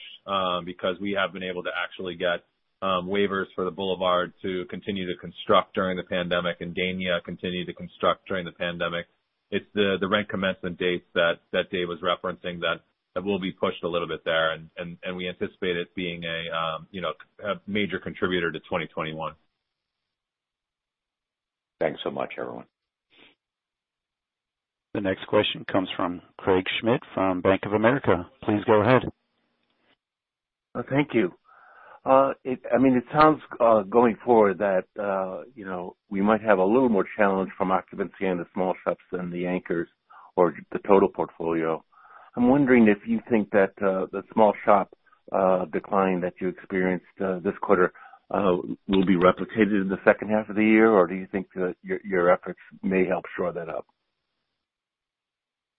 because we have been able to actually get waivers for The Boulevard to continue to construct during the pandemic and Dania to continue to construct during the pandemic. It's the rent commencement dates that Dave was referencing that will be pushed a little bit there, and we anticipate it being a major contributor to 2021. Thanks so much, everyone. The next question comes from Craig Schmidt from Bank of America. Please go ahead. Thank you. It sounds going forward that we might have a little more challenge from occupancy in the small shops than the anchors or the total portfolio. I'm wondering if you think that the small shop decline that you experienced this quarter will be replicated in the second half of the year, or do you think that your efforts may help shore that up?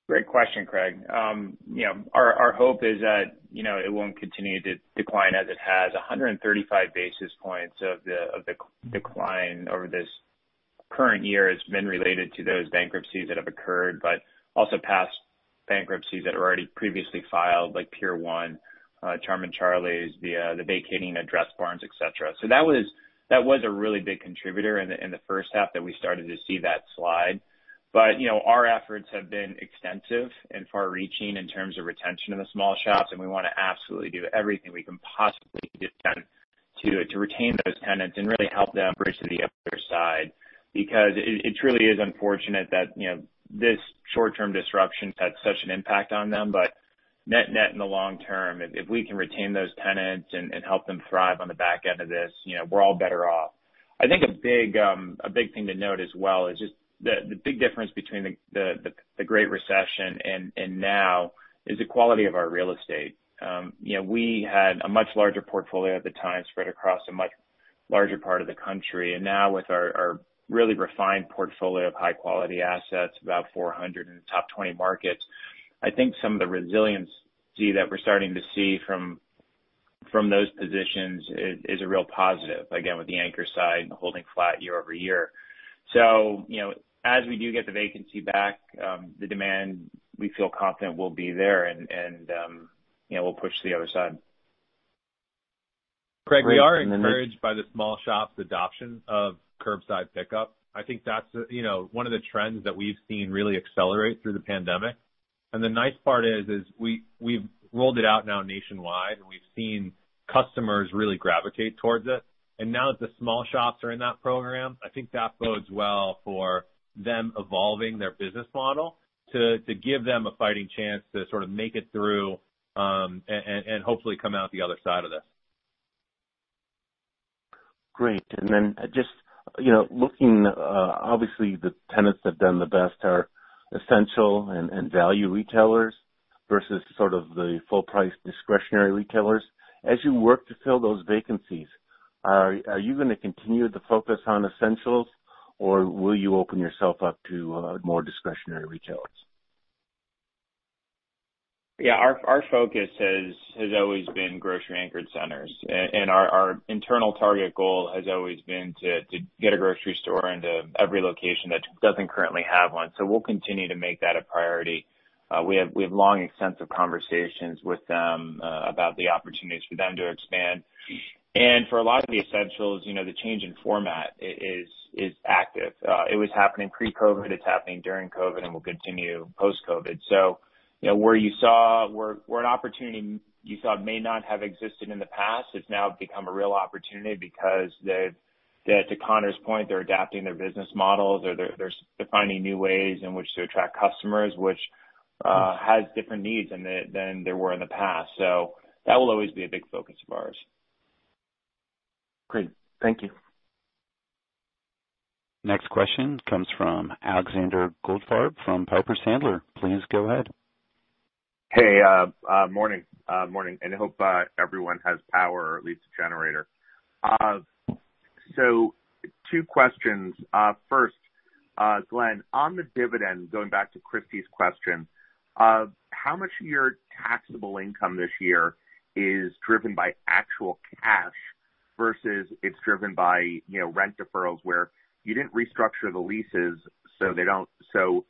Great question, Craig. Our hope is that it won't continue to decline as it has. 135 basis points of the decline over this current year has been related to those bankruptcies that have occurred, also past bankruptcies that were already previously filed, like Pier 1, Charming Charlie, the vacating at Dressbarn, et cetera. That was a really big contributor in the first half that we started to see that slide. Our efforts have been extensive and far-reaching in terms of retention in the small shops, we want to absolutely do everything we can possibly to retain those tenants and really help them bridge to the other side. It truly is unfortunate that this short-term disruption had such an impact on them. Net net in the long term, if we can retain those tenants and help them thrive on the back end of this, we're all better off. I think a big thing to note as well is just the big difference between the Great Recession and now is the quality of our real estate. We had a much larger portfolio at the time spread across a much larger part of the country. Now with our really refined portfolio of high-quality assets, about 400 in the top 20 markets, I think some of the resiliency that we're starting to see from those positions is a real positive, again, with the anchor side holding flat year-over-year. As we do get the vacancy back, the demand, we feel confident, will be there, and we'll push to the other side. Craig, we are encouraged by the small shops' adoption of curbside pickup. I think that's one of the trends that we've seen really accelerate through the pandemic. The nice part is we've rolled it out now nationwide, and we've seen customers really gravitate towards it. Now that the small shops are in that program, I think that bodes well for them evolving their business model to give them a fighting chance to sort of make it through, and hopefully come out the other side of this. Great. Just looking, obviously, the tenants that have done the best are essential and value retailers versus sort of the full-price discretionary retailers. As you work to fill those vacancies, are you going to continue the focus on essentials, or will you open yourself up to more discretionary retailers? Yeah. Our focus has always been grocery-anchored centers. Our internal target goal has always been to get a grocery store into every location that doesn't currently have one. We'll continue to make that a priority. We have long, extensive conversations with them about the opportunities for them to expand. For a lot of the essentials, the change in format is active. It was happening pre-COVID, it's happening during COVID, and will continue post-COVID. Where an opportunity you thought may not have existed in the past, it's now become a real opportunity because, to Conor's point, they're adapting their business models or they're finding new ways in which to attract customers, which has different needs than there were in the past. That will always be a big focus of ours. Great. Thank you. Next question comes from Alexander Goldfarb from Piper Sandler. Please go ahead. Hey, morning. Hope everyone has power or at least a generator. Two questions. First, Glenn, on the dividend, going back to Christy's question, how much of your taxable income this year is driven by actual cash versus it's driven by rent deferrals where you didn't restructure the leases, so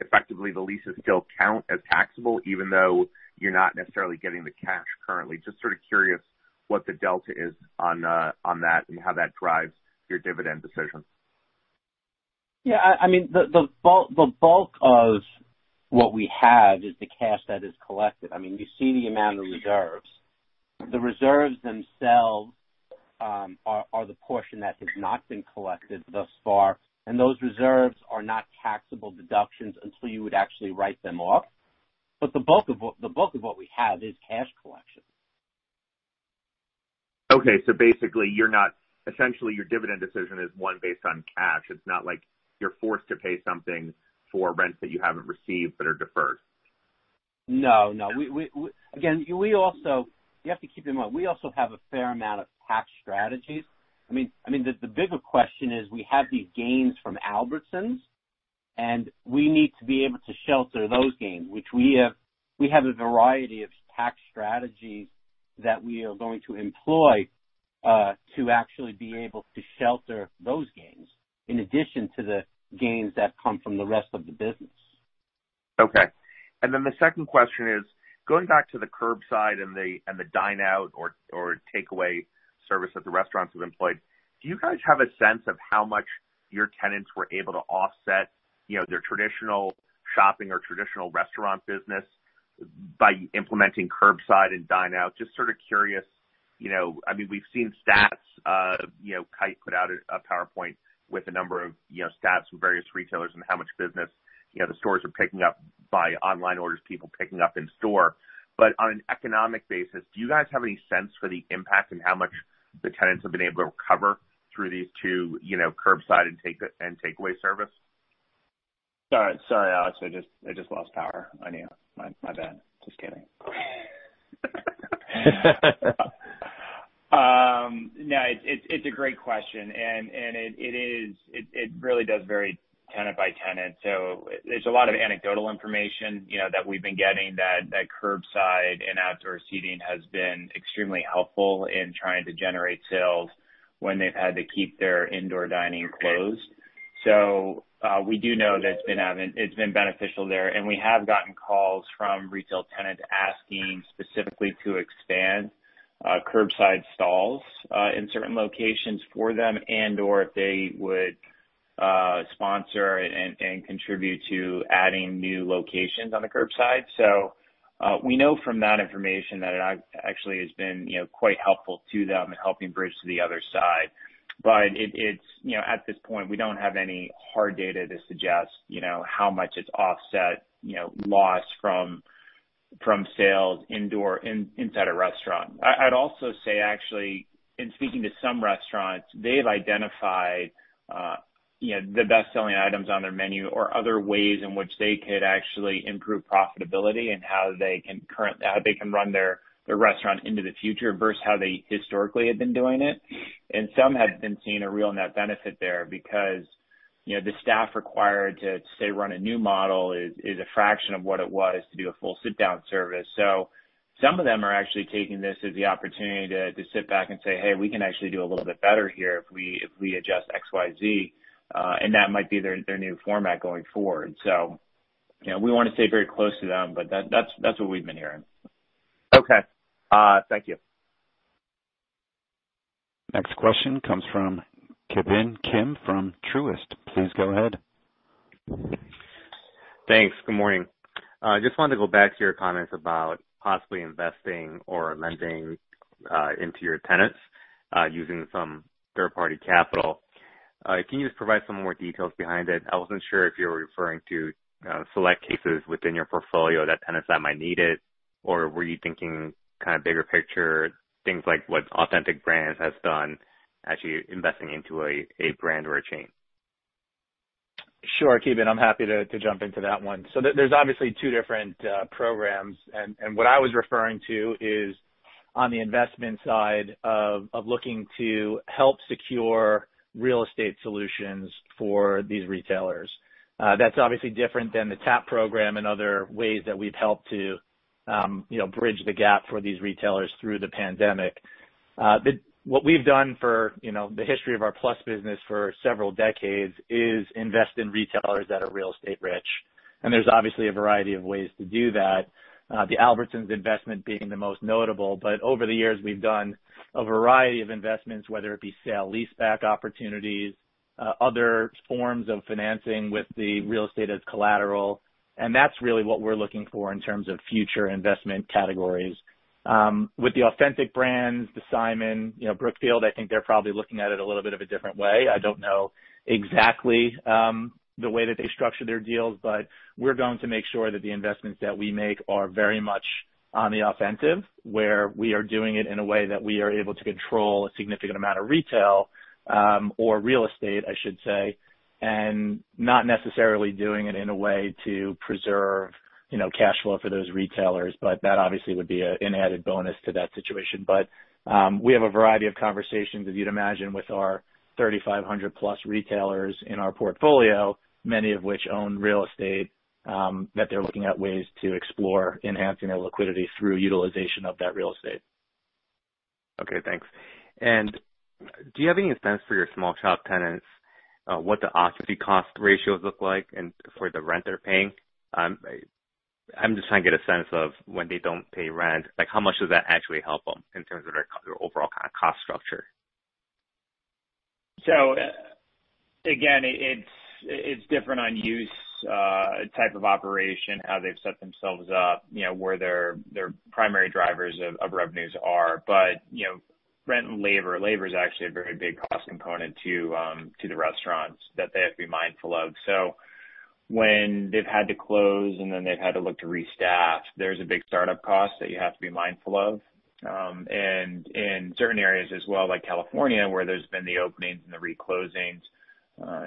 effectively the leases still count as taxable even though you're not necessarily getting the cash currently? Just sort of curious what the delta is on that and how that drives your dividend decision. Yeah. The bulk of what we have is the cash that is collected. You see the amount of reserves. The reserves themselves are the portion that has not been collected thus far, and those reserves are not taxable deductions until you would actually write them off. The bulk of what we have is cash collection. Okay. Basically, essentially, your dividend decision is one based on cash. It's not like you're forced to pay something for rents that you haven't received but are deferred. No. You have to keep in mind, we also have a fair amount of tax strategies. The bigger question is, we have these gains from Albertsons, and we need to be able to shelter those gains. Which we have a variety of tax strategies that we are going to employ, to actually be able to shelter those gains in addition to the gains that come from the rest of the business. Okay. The second question is, going back to the curbside and the dine out or takeaway service that the restaurants have employed, do you guys have a sense of how much your tenants were able to offset their traditional shopping or traditional restaurant business by implementing curbside and dine out? Just sort of curious. We've seen stats. Kite put out a PowerPoint with a number of stats from various retailers and how much business the stores are picking up by online orders, people picking up in store. On an economic basis, do you guys have any sense for the impact and how much the tenants have been able to recover through these two, curbside and takeaway service? Sorry, Alex, I just lost power on you. My bad. Just kidding. It's a great question. It really does vary tenant by tenant. There's a lot of anecdotal information that we've been getting that curbside and outdoor seating has been extremely helpful in trying to generate sales when they've had to keep their indoor dining closed. We do know that it's been beneficial there. We have gotten calls from retail tenants asking specifically to expand curbside stalls in certain locations for them and/or if they would sponsor and contribute to adding new locations on the curbside. We know from that information that it actually has been quite helpful to them in helping bridge to the other side. At this point, we don't have any hard data to suggest how much it's offset loss from sales inside a restaurant. I'd also say, actually, in speaking to some restaurants, they've identified the best-selling items on their menu or other ways in which they could actually improve profitability and how they can run their restaurant into the future versus how they historically had been doing it. Some have been seeing a real net benefit there because the staff required to, say, run a new model is a fraction of what it was to do a full sit-down service. Some of them are actually taking this as the opportunity to sit back and say, "Hey, we can actually do a little bit better here if we adjust XYZ." That might be their new format going forward. We want to stay very close to them, but that's what we've been hearing. Okay. Thank you. Next question comes from Ki Bin Kim from Truist. Please go ahead. Thanks. Good morning. I just wanted to go back to your comments about possibly investing or lending into your tenants using some third-party capital. Can you just provide some more details behind it? I wasn't sure if you were referring to select cases within your portfolio that tenants that might need it, or were you thinking kind of bigger picture, things like what Authentic Brands has done, actually investing into a brand or a chain? Sure, Ki Bin, I'm happy to jump into that one. There's obviously two different programs, and what I was referring to is on the investment side of looking to help secure real estate solutions for these retailers. That's obviously different than the TAP program and other ways that we've helped to bridge the gap for these retailers through the pandemic. What we've done for the history of our PLUS business for several decades is invest in retailers that are real estate rich, and there's obviously a variety of ways to do that, the Albertsons investment being the most notable. Over the years, we've done a variety of investments, whether it be sale leaseback opportunities, other forms of financing with the real estate as collateral. That's really what we're looking for in terms of future investment categories. With the Authentic Brands, the Simon, Brookfield, I think they're probably looking at it a little bit of a different way. I don't know exactly the way that they structure their deals, but we're going to make sure that the investments that we make are very much on the offensive, where we are doing it in a way that we are able to control a significant amount of retail, or real estate, I should say, and not necessarily doing it in a way to preserve cash flow for those retailers. That obviously would be an added bonus to that situation. We have a variety of conversations, as you'd imagine, with our 3,500 plus retailers in our portfolio, many of which own real estate, that they're looking at ways to explore enhancing their liquidity through utilization of that real estate. Okay, thanks. Do you have any sense for your small shop tenants, what the occupancy cost ratios look like for the rent they're paying? I'm just trying to get a sense of when they don't pay rent, how much does that actually help them in terms of their overall cost structure? Again, it's different on use, type of operation, how they've set themselves up, where their primary drivers of revenues are. Rent and labor. Labor is actually a very big cost component to the restaurants that they have to be mindful of. When they've had to close and then they've had to look to restaff, there's a big startup cost that you have to be mindful of. In certain areas as well, like California, where there's been the openings and the re-closings,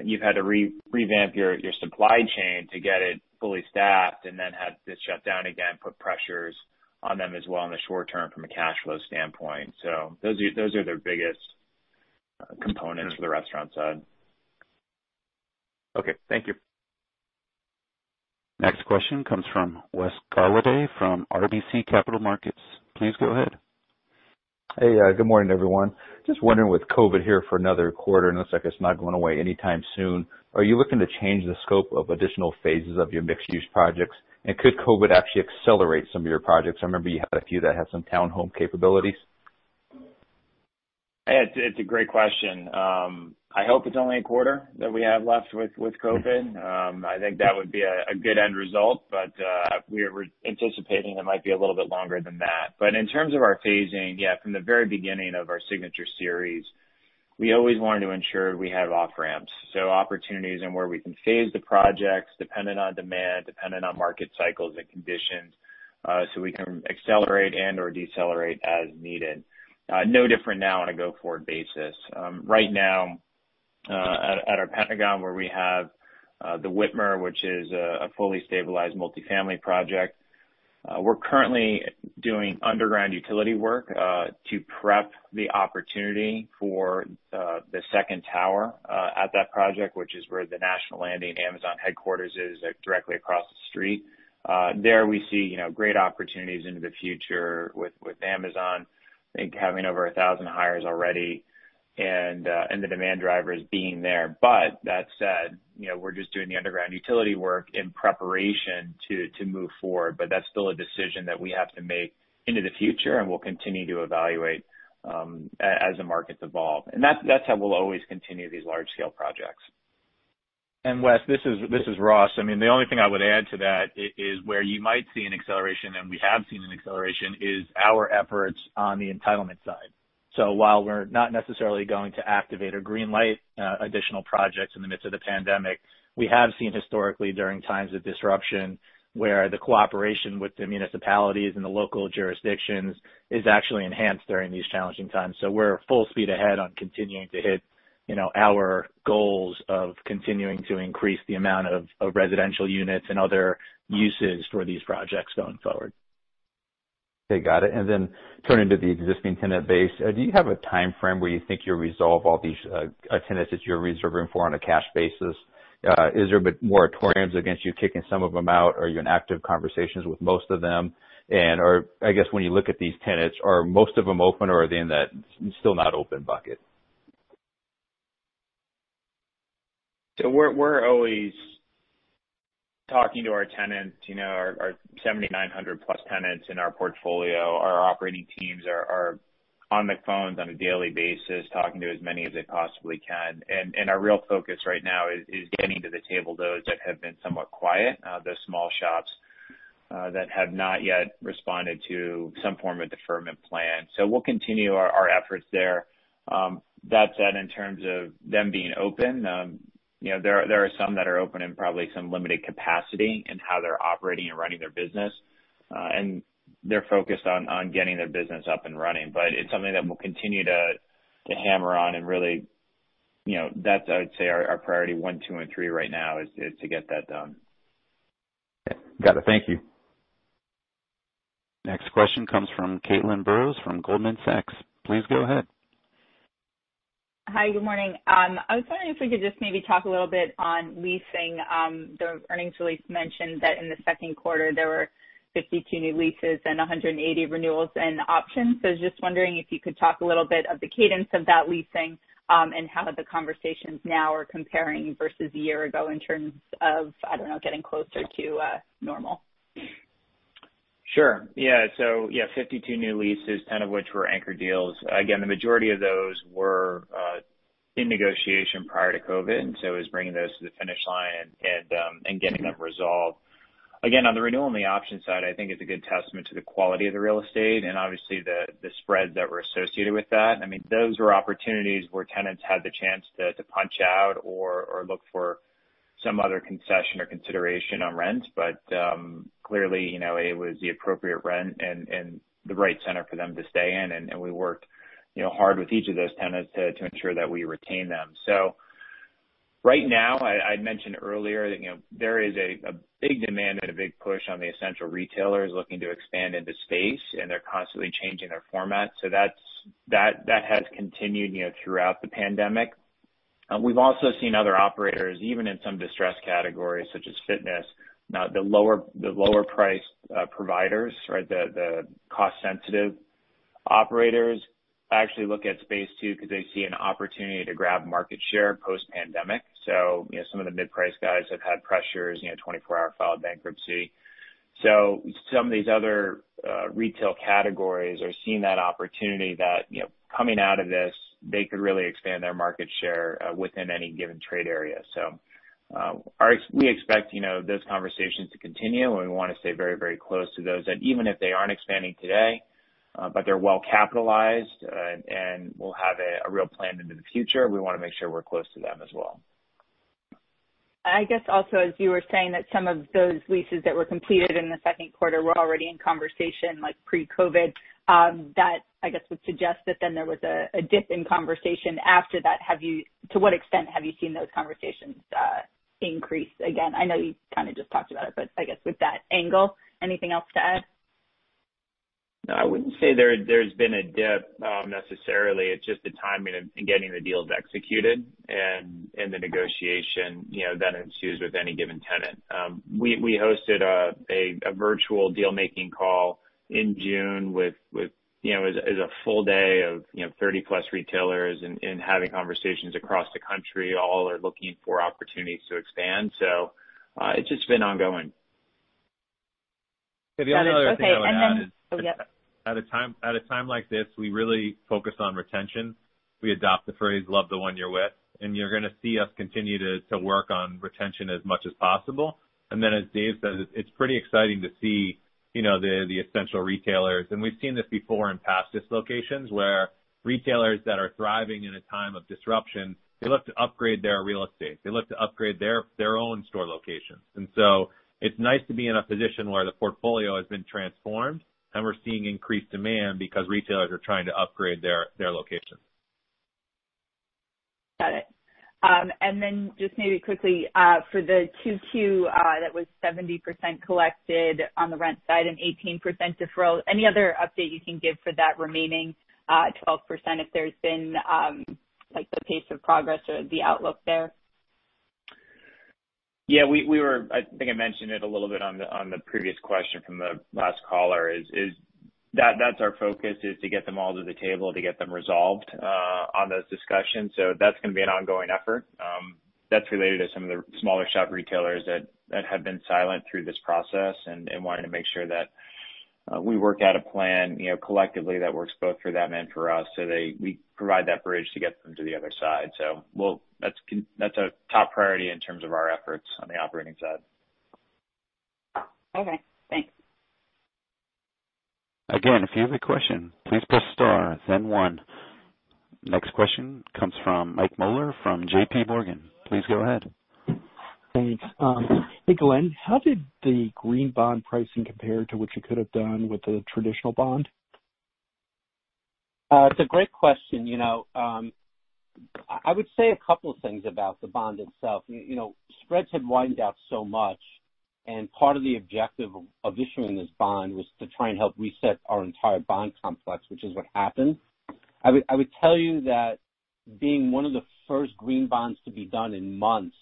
you've had to revamp your supply chain to get it fully staffed and then have it shut down again, put pressures on them as well in the short term from a cash flow standpoint. Those are their biggest components to the restaurant side. Okay. Thank you. Next question comes from Wes Golladay from RBC Capital Markets. Please go ahead. Hey. Good morning, everyone. Just wondering, with COVID here for another quarter, and it looks like it's not going away anytime soon, are you looking to change the scope of additional phases of your mixed-use projects? Could COVID actually accelerate some of your projects? I remember you had a few that had some town home capabilities. It's a great question. I hope it's only a quarter that we have left with COVID. I think that would be a good end result. We're anticipating it might be a little bit longer than that. In terms of our phasing, yeah, from the very beginning of our Signature Series, we always wanted to ensure we have off-ramps, so opportunities in where we can phase the projects dependent on demand, dependent on market cycles and conditions, so we can accelerate and/or decelerate as needed. No different now on a go-forward basis. Right now, at our Pentagon, where we have The Witmer, which is a fully stabilized multifamily project, we're currently doing underground utility work to prep the opportunity for the second tower at that project, which is where the National Landing Amazon headquarters is, directly across the street. There we see great opportunities into the future with Amazon. I think having over 1,000 hires already and the demand drivers being there. That said, we're just doing the underground utility work in preparation to move forward. That's still a decision that we have to make into the future and we'll continue to evaluate as the markets evolve. That's how we'll always continue these large-scale projects. Wes, this is Ross. The only thing I would add to that is where you might see an acceleration, and we have seen an acceleration, is our efforts on the entitlement side. While we're not necessarily going to activate or green light additional projects in the midst of the pandemic, we have seen historically during times of disruption where the cooperation with the municipalities and the local jurisdictions is actually enhanced during these challenging times. We're full speed ahead on continuing to hit our goals of continuing to increase the amount of residential units and other uses for these projects going forward. Okay. Got it. Turning to the existing tenant base, do you have a timeframe where you think you'll resolve all these tenants that you're reserving for on a cash basis? Is there moratoriums against you kicking some of them out, or are you in active conversations with most of them? I guess when you look at these tenants, are most of them open or are they in that still not open bucket? We're always talking to our tenants. Our 7,900-plus tenants in our portfolio. Our operating teams are on the phones on a daily basis, talking to as many as they possibly can. Our real focus right now is getting to the table those that have been somewhat quiet, those small shops that have not yet responded to some form of deferment plan. We'll continue our efforts there. That said, in terms of them being open, there are some that are open in probably some limited capacity in how they're operating and running their business. They're focused on getting their business up and running. It's something that we'll continue to hammer on and really that's, I would say, our priority 1, 2, and 3 right now is to get that done. Okay. Got it. Thank you. Next question comes from Caitlin Burrows from Goldman Sachs. Please go ahead. Hi. Good morning. I was wondering if we could just maybe talk a little bit on leasing. The earnings release mentioned that in the second quarter, there were 52 new leases and 180 renewals and options. I was just wondering if you could talk a little bit of the cadence of that leasing, and how the conversations now are comparing versus a year ago in terms of, I don't know, getting closer to normal. Sure. 52 new leases, 10 of which were anchor deals. Again, the majority of those were in negotiation prior to COVID. It was bringing those to the finish line and getting them resolved. Again, on the renewal and the option side, I think it's a good testament to the quality of the real estate and obviously the spreads that were associated with that. Those were opportunities where tenants had the chance to punch out or look for some other concession or consideration on rent. Clearly, it was the appropriate rent and the right center for them to stay in. We worked hard with each of those tenants to ensure that we retain them. Right now, I'd mentioned earlier, there is a big demand and a big push on the essential retailers looking to expand into space, and they're constantly changing their format. That has continued throughout the pandemic. We've also seen other operators, even in some distressed categories such as fitness. The lower-priced providers or the cost-sensitive operators actually look at space too, because they see an opportunity to grab market share post-pandemic. Some of the mid-price guys have had pressures, 24 Hour filed bankruptcy. Some of these other retail categories are seeing that opportunity that, coming out of this, they could really expand their market share within any given trade area. We expect those conversations to continue, and we want to stay very, very close to those that even if they aren't expanding today. They're well capitalized, and we'll have a real plan into the future. We want to make sure we're close to them as well. I guess also as you were saying that some of those leases that were completed in the second quarter were already in conversation like pre-COVID, that I guess would suggest that then there was a dip in conversation after that. To what extent have you seen those conversations increase again? I know you kind of just talked about it, I guess with that angle, anything else to add? No, I wouldn't say there's been a dip necessarily. It's just the timing in getting the deals executed and the negotiation that ensues with any given tenant. We hosted a virtual deal-making call in June, it was a full day of 30+ retailers and having conversations across the country, all are looking for opportunities to expand. It's just been ongoing. The only other thing I would add is- Oh, yep. at a time like this, we really focus on retention. We adopt the phrase, "Love the one you're with," and you're going to see us continue to work on retention as much as possible. Then as Dave says, it's pretty exciting to see the essential retailers. We've seen this before in past dislocations where retailers that are thriving in a time of disruption, they look to upgrade their real estate. They look to upgrade their own store locations. So it's nice to be in a position where the portfolio has been transformed, and we're seeing increased demand because retailers are trying to upgrade their locations. Got it. Just maybe quickly, for the Q2, that was 70% collected on the rent side and 18% deferral. Any other update you can give for that remaining 12% if there's been the pace of progress or the outlook there? Yeah. I think I mentioned it a little bit on the previous question from the last caller is, that's our focus, is to get them all to the table to get them resolved on those discussions. That's going to be an ongoing effort. That's related to some of the smaller shop retailers that have been silent through this process, and wanting to make sure that we work out a plan collectively that works both for them and for us. We provide that bridge to get them to the other side. That's a top priority in terms of our efforts on the operating side. Okay, thanks. Again, if you have a question, please press star then one. Next question comes from Mike Mueller from JPMorgan. Please go ahead. Thanks. Hey, Glenn, how did the green bond pricing compare to what you could have done with the traditional bond? It's a great question. I would say a couple things about the bond itself. Spreads had widened out so much. Part of the objective of issuing this bond was to try and help reset our entire bond complex, which is what happened. I would tell you that being one of the first green bonds to be done in months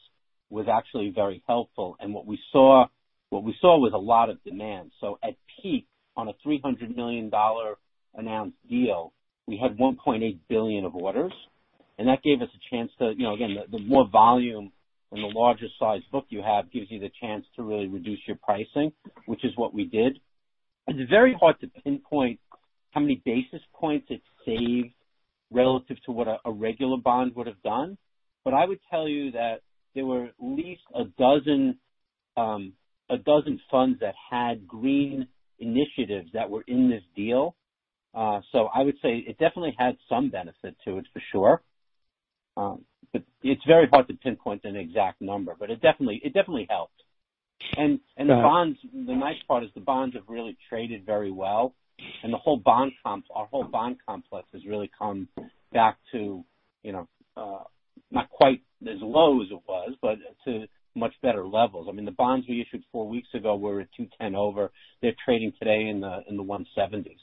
was actually very helpful. What we saw was a lot of demand. At peak, on a $300 million announced deal, we had $1.8 billion of orders. That gave us a chance to, again, the more volume and the larger size book you have gives you the chance to really reduce your pricing, which is what we did. It's very hard to pinpoint how many basis points it saved relative to what a regular bond would have done. I would tell you that there were at least 12 funds that had green initiatives that were in this deal. I would say it definitely had some benefit to it, for sure. It's very hard to pinpoint an exact number, but it definitely helped. Got it. The nice part is the bonds have really traded very well. Our whole bond complex has really come back to not quite as low as it was, but to much better levels. I mean, the bonds we issued four weeks ago were at 210 over. They're trading today in the 170s.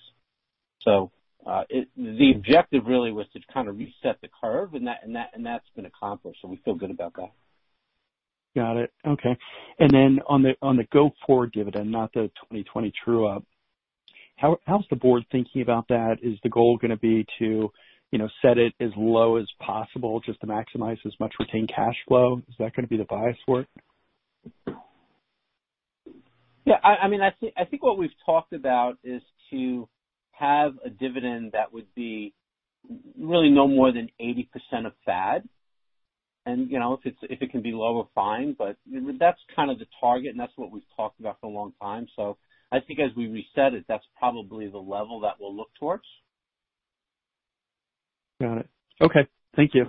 The objective really was to kind of reset the curve, and that's been accomplished, so we feel good about that. Got it. Okay. On the go-forward dividend, not the 2020 true-up, how's the board thinking about that? Is the goal going to be to set it as low as possible just to maximize as much retained cash flow? Is that going to be the bias for it? Yeah. I think what we've talked about is to have a dividend that would be really no more than 80% of FAD. If it can be lower, fine, but that's kind of the target, and that's what we've talked about for a long time. I think as we reset it, that's probably the level that we'll look towards. Got it. Okay. Thank you.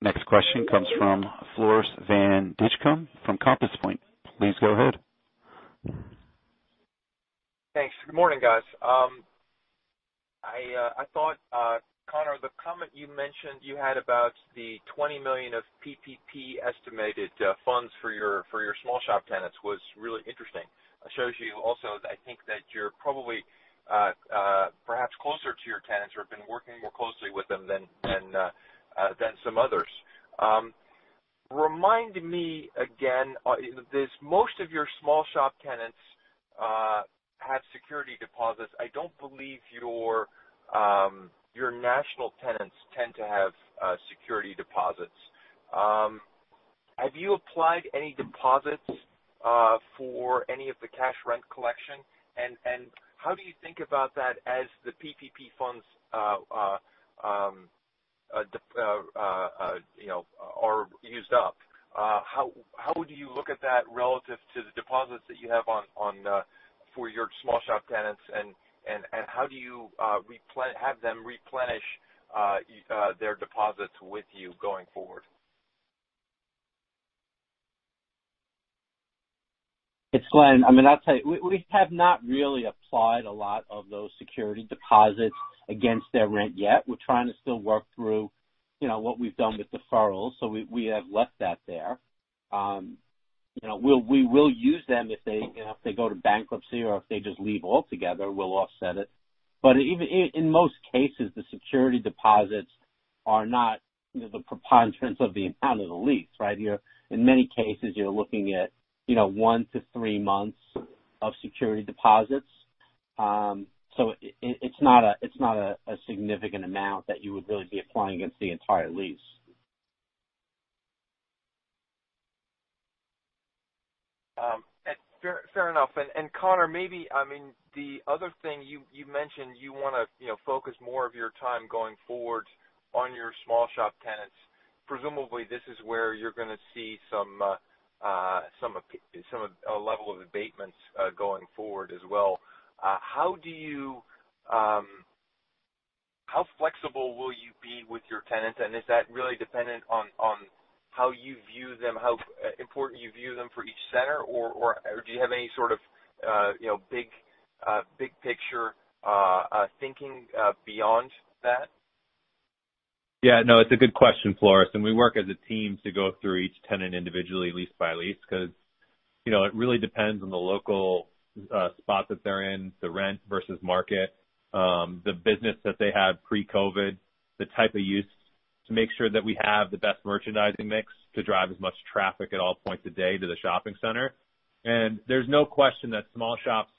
Next question comes from Floris van Dijkum from Compass Point. Please go ahead. Thanks. Good morning, guys. Conor, the comment you mentioned you had about the $20 million of PPP estimated funds for your small shop tenants was really interesting. It shows you also, I think that you're probably perhaps closer to your tenants or have been working more closely with them than some others. Remind me again, most of your small shop tenants have security deposits. I don't believe your national tenants tend to have security deposits. Have you applied any deposits for any of the cash rent collection? How do you think about that as the PPP funds are used up. How would you look at that relative to the deposits that you have for your small shop tenants, and how do you have them replenish their deposits with you going forward? It's Glenn. I'll tell you, we have not really applied a lot of those security deposits against their rent yet. We're trying to still work through what we've done with deferrals. We have left that there. We will use them if they go to bankruptcy or if they just leave altogether, we'll offset it. In most cases, the security deposits are not the preponderance of the amount of the lease, right? In many cases, you're looking at 1 to three months of security deposits. It's not a significant amount that you would really be applying against the entire lease. Fair enough. Conor, maybe the other thing you mentioned, you want to focus more of your time going forward on your small shop tenants. Presumably, this is where you're going to see a level of abatements going forward as well. How flexible will you be with your tenants, and is that really dependent on how you view them, how important you view them for each center, or do you have any sort of big picture thinking beyond that? Yeah, no, it's a good question, Floris. We work as a team to go through each tenant individually, lease by lease, because it really depends on the local spot that they're in, the rent versus market, the business that they had pre-COVID, the type of use, to make sure that we have the best merchandising mix to drive as much traffic at all points of day to the shopping center. There's no question that small shops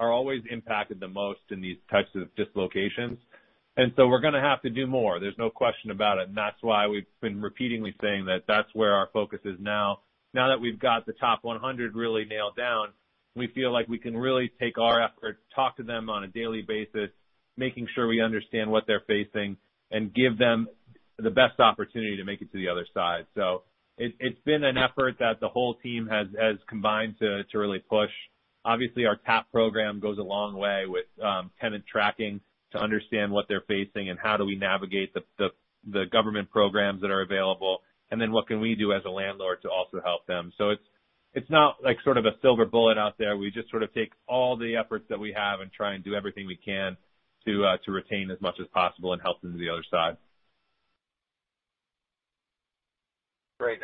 are always impacted the most in these types of dislocations. We're going to have to do more. There's no question about it, and that's why we've been repeatedly saying that that's where our focus is now. Now that we've got the top 100 really nailed down, we feel like we can really take our effort to talk to them on a daily basis, making sure we understand what they're facing, and give them the best opportunity to make it to the other side. It's been an effort that the whole team has combined to really push. Obviously, our TAP program goes a long way with tenant tracking to understand what they're facing and how do we navigate the government programs that are available, and then what can we do as a landlord to also help them. It's not like sort of a silver bullet out there. We just sort of take all the efforts that we have and try and do everything we can to retain as much as possible and help them to the other side. Great.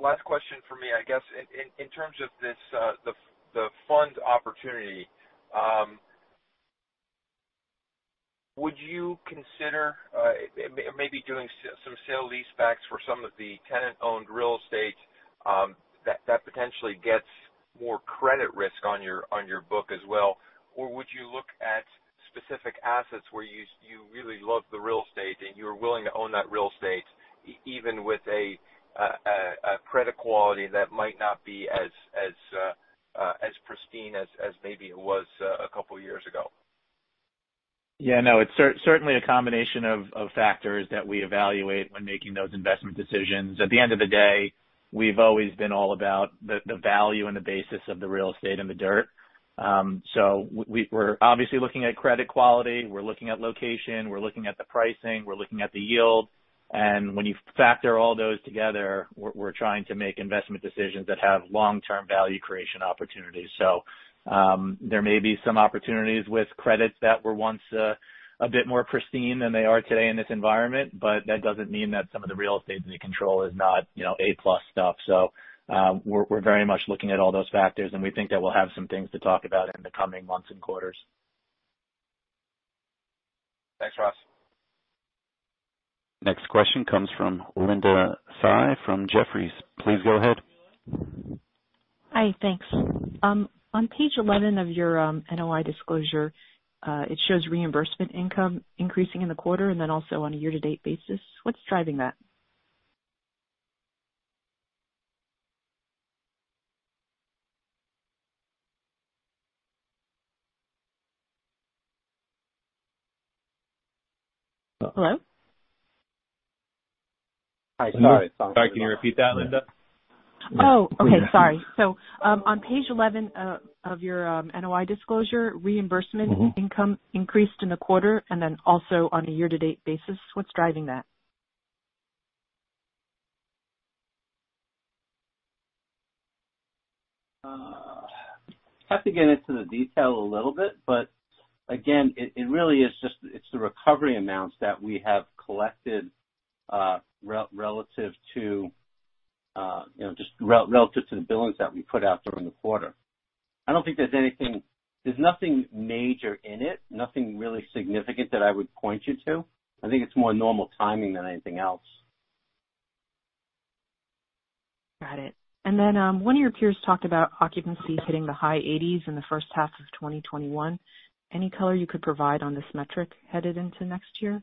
Last question from me. I guess in terms of the fund opportunity, would you consider maybe doing some sale leasebacks for some of the tenant-owned real estate that potentially gets more credit risk on your book as well? Would you look at specific assets where you really love the real estate and you're willing to own that real estate, even with a credit quality that might not be as pristine as maybe it was a couple of years ago? Yeah, no, it's certainly a combination of factors that we evaluate when making those investment decisions. At the end of the day, we've always been all about the value and the basis of the real estate and the dirt. We're obviously looking at credit quality, we're looking at location, we're looking at the pricing, we're looking at the yield. When you factor all those together, we're trying to make investment decisions that have long-term value creation opportunities. There may be some opportunities with credits that were once a bit more pristine than they are today in this environment, but that doesn't mean that some of the real estate we control is not A+ stuff. We're very much looking at all those factors, and we think that we'll have some things to talk about in the coming months and quarters. Thanks, Ross. Next question comes from Linda Tsai from Jefferies. Please go ahead. Hi, thanks. On page 11 of your NOI disclosure, it shows reimbursement income increasing in the quarter and also on a year-to-date basis. What's driving that? Hello? Hi. Sorry. Sorry, can you repeat that, Linda? Oh, okay. Sorry. On page 11 of your NOI disclosure, reimbursement income increased in the quarter and then also on a year-to-date basis. What's driving that? I'd have to get into the detail a little bit, but again, it really is just the recovery amounts that we have collected relative to the billings that we put out during the quarter. There's nothing major in it, nothing really significant that I would point you to. I think it's more normal timing than anything else. Got it. One of your peers talked about occupancy hitting the high 80s in the first half of 2021. Any color you could provide on this metric headed into next year?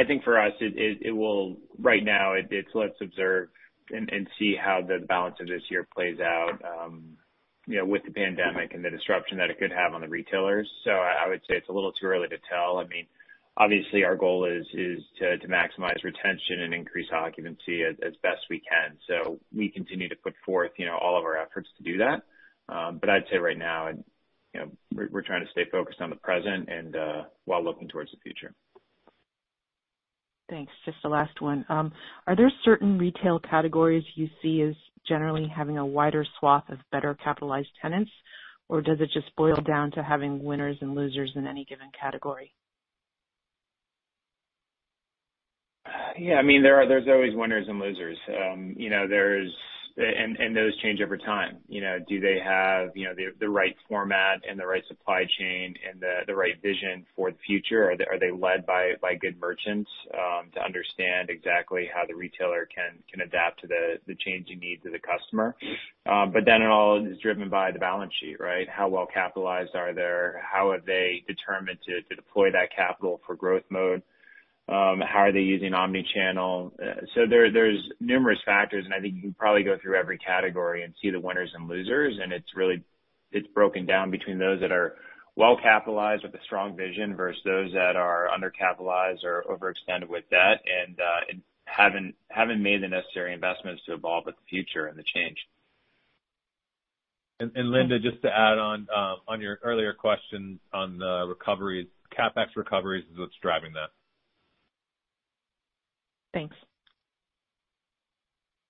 I think for us, right now, it's let's observe and see how the balance of this year plays out with the pandemic and the disruption that it could have on the retailers. I would say it's a little too early to tell. Obviously, our goal is to maximize retention and increase occupancy as best we can. We continue to put forth all of our efforts to do that. I'd say right now, we're trying to stay focused on the present and while looking towards the future. Thanks. Just the last one. Are there certain retail categories you see as generally having a wider swath of better capitalized tenants, or does it just boil down to having winners and losers in any given category? Yeah. There's always winners and losers. Those change over time. Do they have the right format and the right supply chain and the right vision for the future? Are they led by good merchants to understand exactly how the retailer can adapt to the changing needs of the customer? Then it all is driven by the balance sheet, right? How well capitalized are they? How are they determined to deploy that capital for growth mode? How are they using omni-channel? There's numerous factors, and I think you can probably go through every category and see the winners and losers, and it's broken down between those that are well capitalized with a strong vision versus those that are undercapitalized or overextended with debt and haven't made the necessary investments to evolve with the future and the change. Linda, just to add on your earlier question on the recovery, CapEx recovery is what's driving that. Thanks.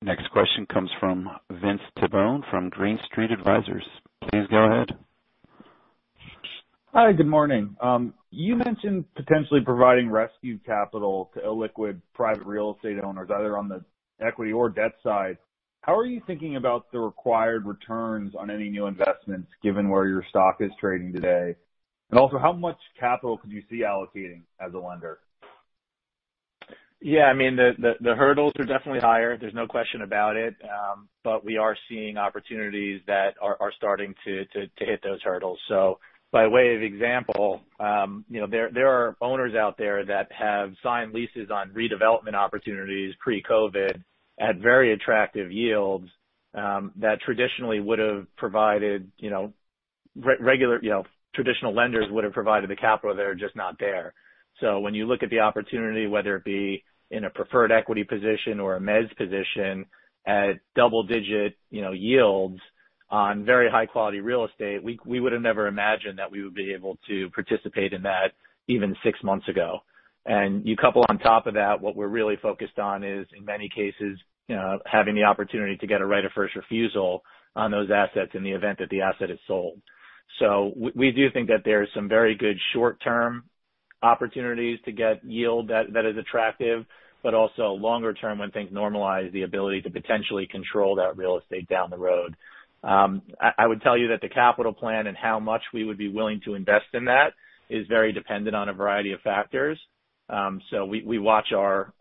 Next question comes from Vince Tibone from Green Street Advisors. Please go ahead. Hi, good morning. You mentioned potentially providing rescue capital to illiquid private real estate owners, either on the equity or debt side. How are you thinking about the required returns on any new investments given where your stock is trading today? Also how much capital could you see allocating as a lender? Yeah. The hurdles are definitely higher, there's no question about it. We are seeing opportunities that are starting to hit those hurdles. By way of example, there are owners out there that have signed leases on redevelopment opportunities pre-COVID at very attractive yields that traditionally traditional lenders would have provided the capital. They're just not there. When you look at the opportunity, whether it be in a preferred equity position or a [mezz position] at double-digit yields on very high-quality real estate, we would have never imagined that we would be able to participate in that even 6 months ago. You couple on top of that what we're really focused on is, in many cases, having the opportunity to get a right of first refusal on those assets in the event that the asset is sold. We do think that there are some very good short-term opportunities to get yield that is attractive, but also longer term, when things normalize, the ability to potentially control that real estate down the road. I would tell you that the capital plan and how much we would be willing to invest in that is very dependent on a variety of factors. We watch our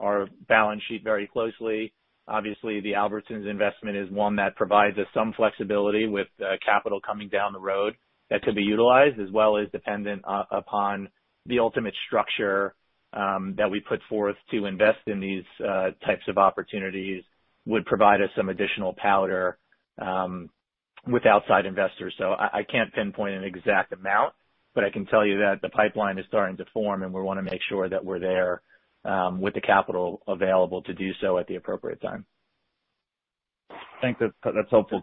balance sheet very closely. Obviously, the Albertsons investment is one that provides us some flexibility with capital coming down the road that could be utilized, as well as dependent upon the ultimate structure that we put forth to invest in these types of opportunities would provide us some additional powder with outside investors. I can't pinpoint an exact amount, but I can tell you that the pipeline is starting to form, and we want to make sure that we're there with the capital available to do so at the appropriate time. I think that's helpful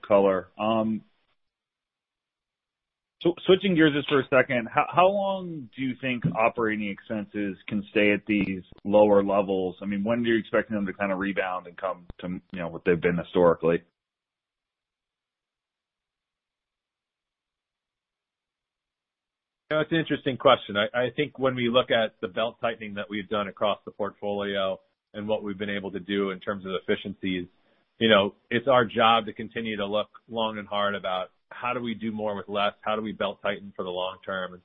color. Switching gears just for a second, how long do you think operating expenses can stay at these lower levels? When do you expect them to kind of rebound and come to what they've been historically? It's an interesting question. I think when we look at the belt-tightening that we've done across the portfolio and what we've been able to do in terms of efficiencies, it's our job to continue to look long and hard about how do we do more with less, how do we belt-tighten for the long term.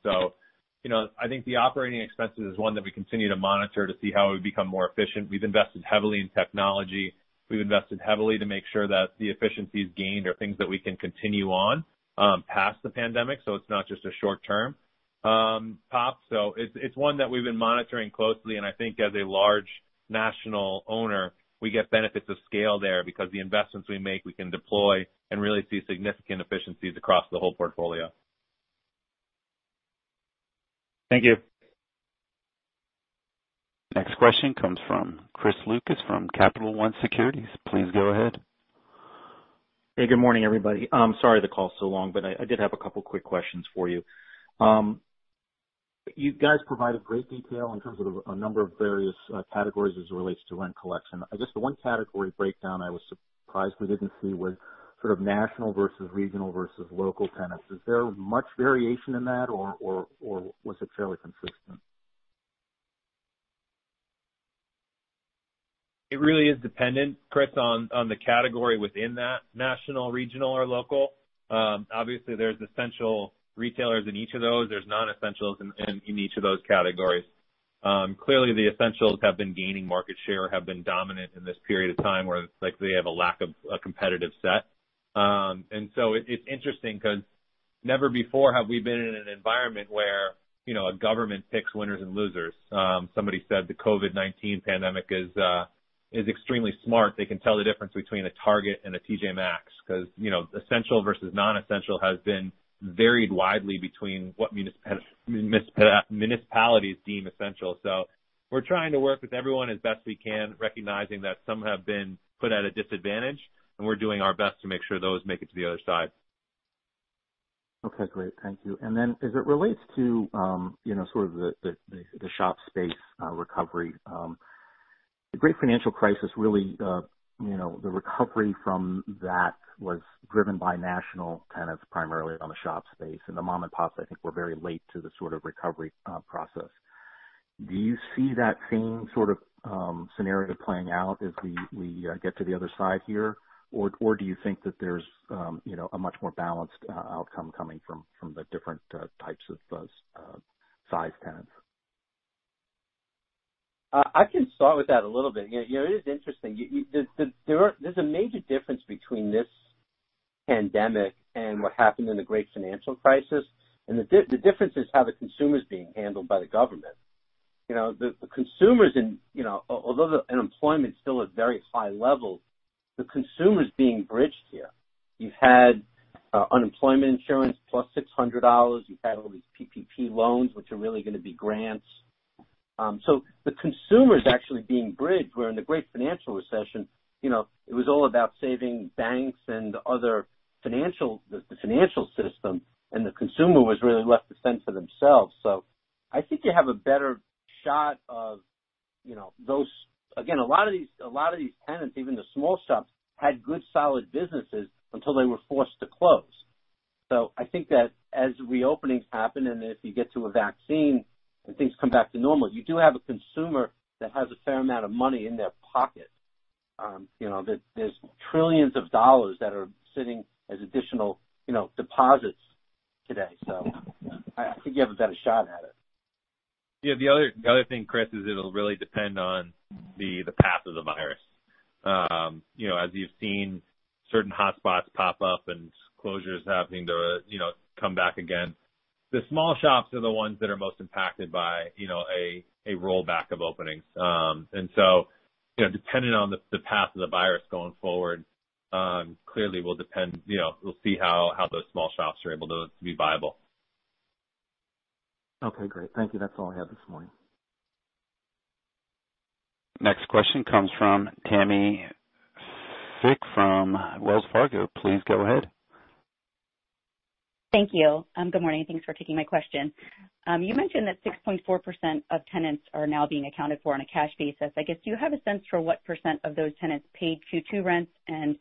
I think the operating expenses is one that we continue to monitor to see how we become more efficient. We've invested heavily in technology. We've invested heavily to make sure that the efficiencies gained are things that we can continue on past the pandemic, so it's not just a short-term pop. It's one that we've been monitoring closely, and I think as a large national owner, we get benefits of scale there because the investments we make, we can deploy and really see significant efficiencies across the whole portfolio. Thank you. Next question comes from Chris Lucas from Capital One Securities. Please go ahead. Hey, good morning, everybody. Sorry the call's so long, I did have a couple quick questions for you. You guys provided great detail in terms of a number of various categories as it relates to rent collection. I guess the one category breakdown I was surprised we didn't see was sort of national versus regional versus local tenants. Is there much variation in that, or was it fairly consistent? It really is dependent, Chris, on the category within that national, regional, or local. Obviously, there's essential retailers in each of those. There's non-essentials in each of those categories. Clearly the essentials have been gaining market share, have been dominant in this period of time where it's likely they have a lack of a competitive set. It's interesting because Never before have we been in an environment where a government picks winners and losers. Somebody said the COVID-19 pandemic is extremely smart. They can tell the difference between a Target and a T.J. Maxx, because essential versus non-essential has been varied widely between what municipalities deem essential. We're trying to work with everyone as best we can, recognizing that some have been put at a disadvantage, and we're doing our best to make sure those make it to the other side. Okay, great. Thank you. As it relates to the shop space recovery, the Great Financial Crisis really, the recovery from that was driven by national tenants primarily on the shop space, and the mom and pops, I think, were very late to the sort of recovery process. Do you see that same sort of scenario playing out as we get to the other side here? Do you think that there's a much more balanced outcome coming from the different types of size tenants? I can start with that a little bit. It is interesting. There's a major difference between this pandemic and what happened in the Great Financial Crisis, and the difference is how the consumer's being handled by the government. Although the unemployment's still at very high levels, the consumer's being bridged here. You've had unemployment insurance plus $600. You've had all these PPP loans, which are really going to be grants. The consumer's actually being bridged, where in the great financial recession, it was all about saving banks and the financial system, and the consumer was really left to fend for themselves. I think you have a better shot of those. Again, a lot of these tenants, even the small shops, had good, solid businesses until they were forced to close. I think that as reopenings happen, and if you get to a vaccine, and things come back to normal, you do have a consumer that has a fair amount of money in their pocket. There's trillions of dollars that are sitting as additional deposits today. I think you have a better shot at it. The other thing, Chris, is it'll really depend on the path of the virus. As you've seen certain hotspots pop up and closures happening to come back again, the small shops are the ones that are most impacted by a rollback of openings. Depending on the path of the virus going forward, clearly we'll see how those small shops are able to be viable. Okay, great. Thank you. That's all I have this morning. Next question comes from Tammi Fique from Wells Fargo. Please go ahead. Thank you. Good morning. Thanks for taking my question. You mentioned that 6.4% of tenants are now being accounted for on a cash basis. I guess, do you have a sense for what % of those tenants paid Q2 rents, and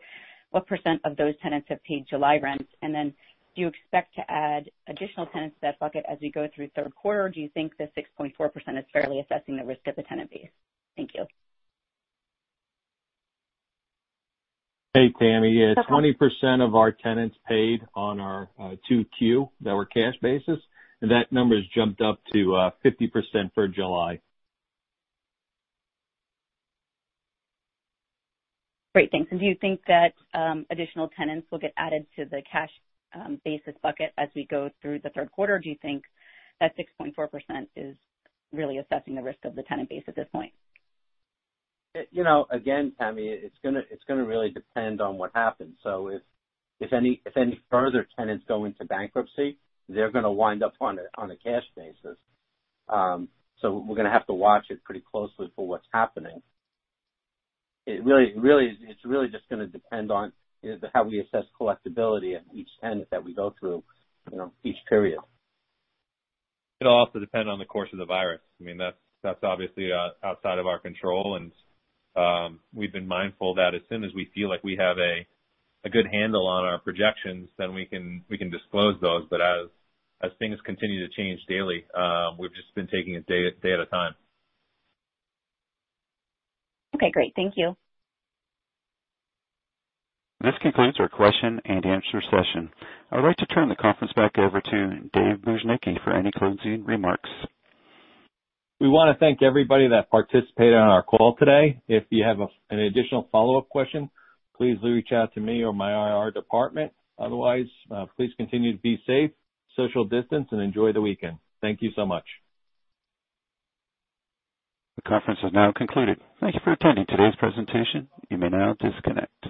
what % of those tenants have paid July rents? Do you expect to add additional tenants to that bucket as we go through third quarter, or do you think the 6.4% is fairly assessing the risk of the tenant base? Thank you. Hey, Tammi. Hi. Yeah, 20% of our tenants paid on our Q2 that were cash basis. That number has jumped up to 50% for July. Great, thanks. Do you think that additional tenants will get added to the cash basis bucket as we go through the third quarter, or do you think that 6.4% is really assessing the risk of the tenant base at this point? Tammi, it's going to really depend on what happens. If any further tenants go into bankruptcy, they're going to wind up on a cash basis. We're going to have to watch it pretty closely for what's happening. It's really just going to depend on how we assess collectability of each tenant that we go through each period. It'll also depend on the course of the virus. That's obviously outside of our control. We've been mindful that as soon as we feel like we have a good handle on our projections, then we can disclose those. As things continue to change daily, we've just been taking it a day at a time. Okay, great. Thank you. This concludes our question and answer session. I'd like to turn the conference back over to David Bujnicki for any closing remarks. We want to thank everybody that participated on our call today. If you have an additional follow-up question, please reach out to me or my IR department. Otherwise, please continue to be safe, social distance, and enjoy the weekend. Thank you so much. The conference has now concluded. Thank you for attending today's presentation. You may now disconnect.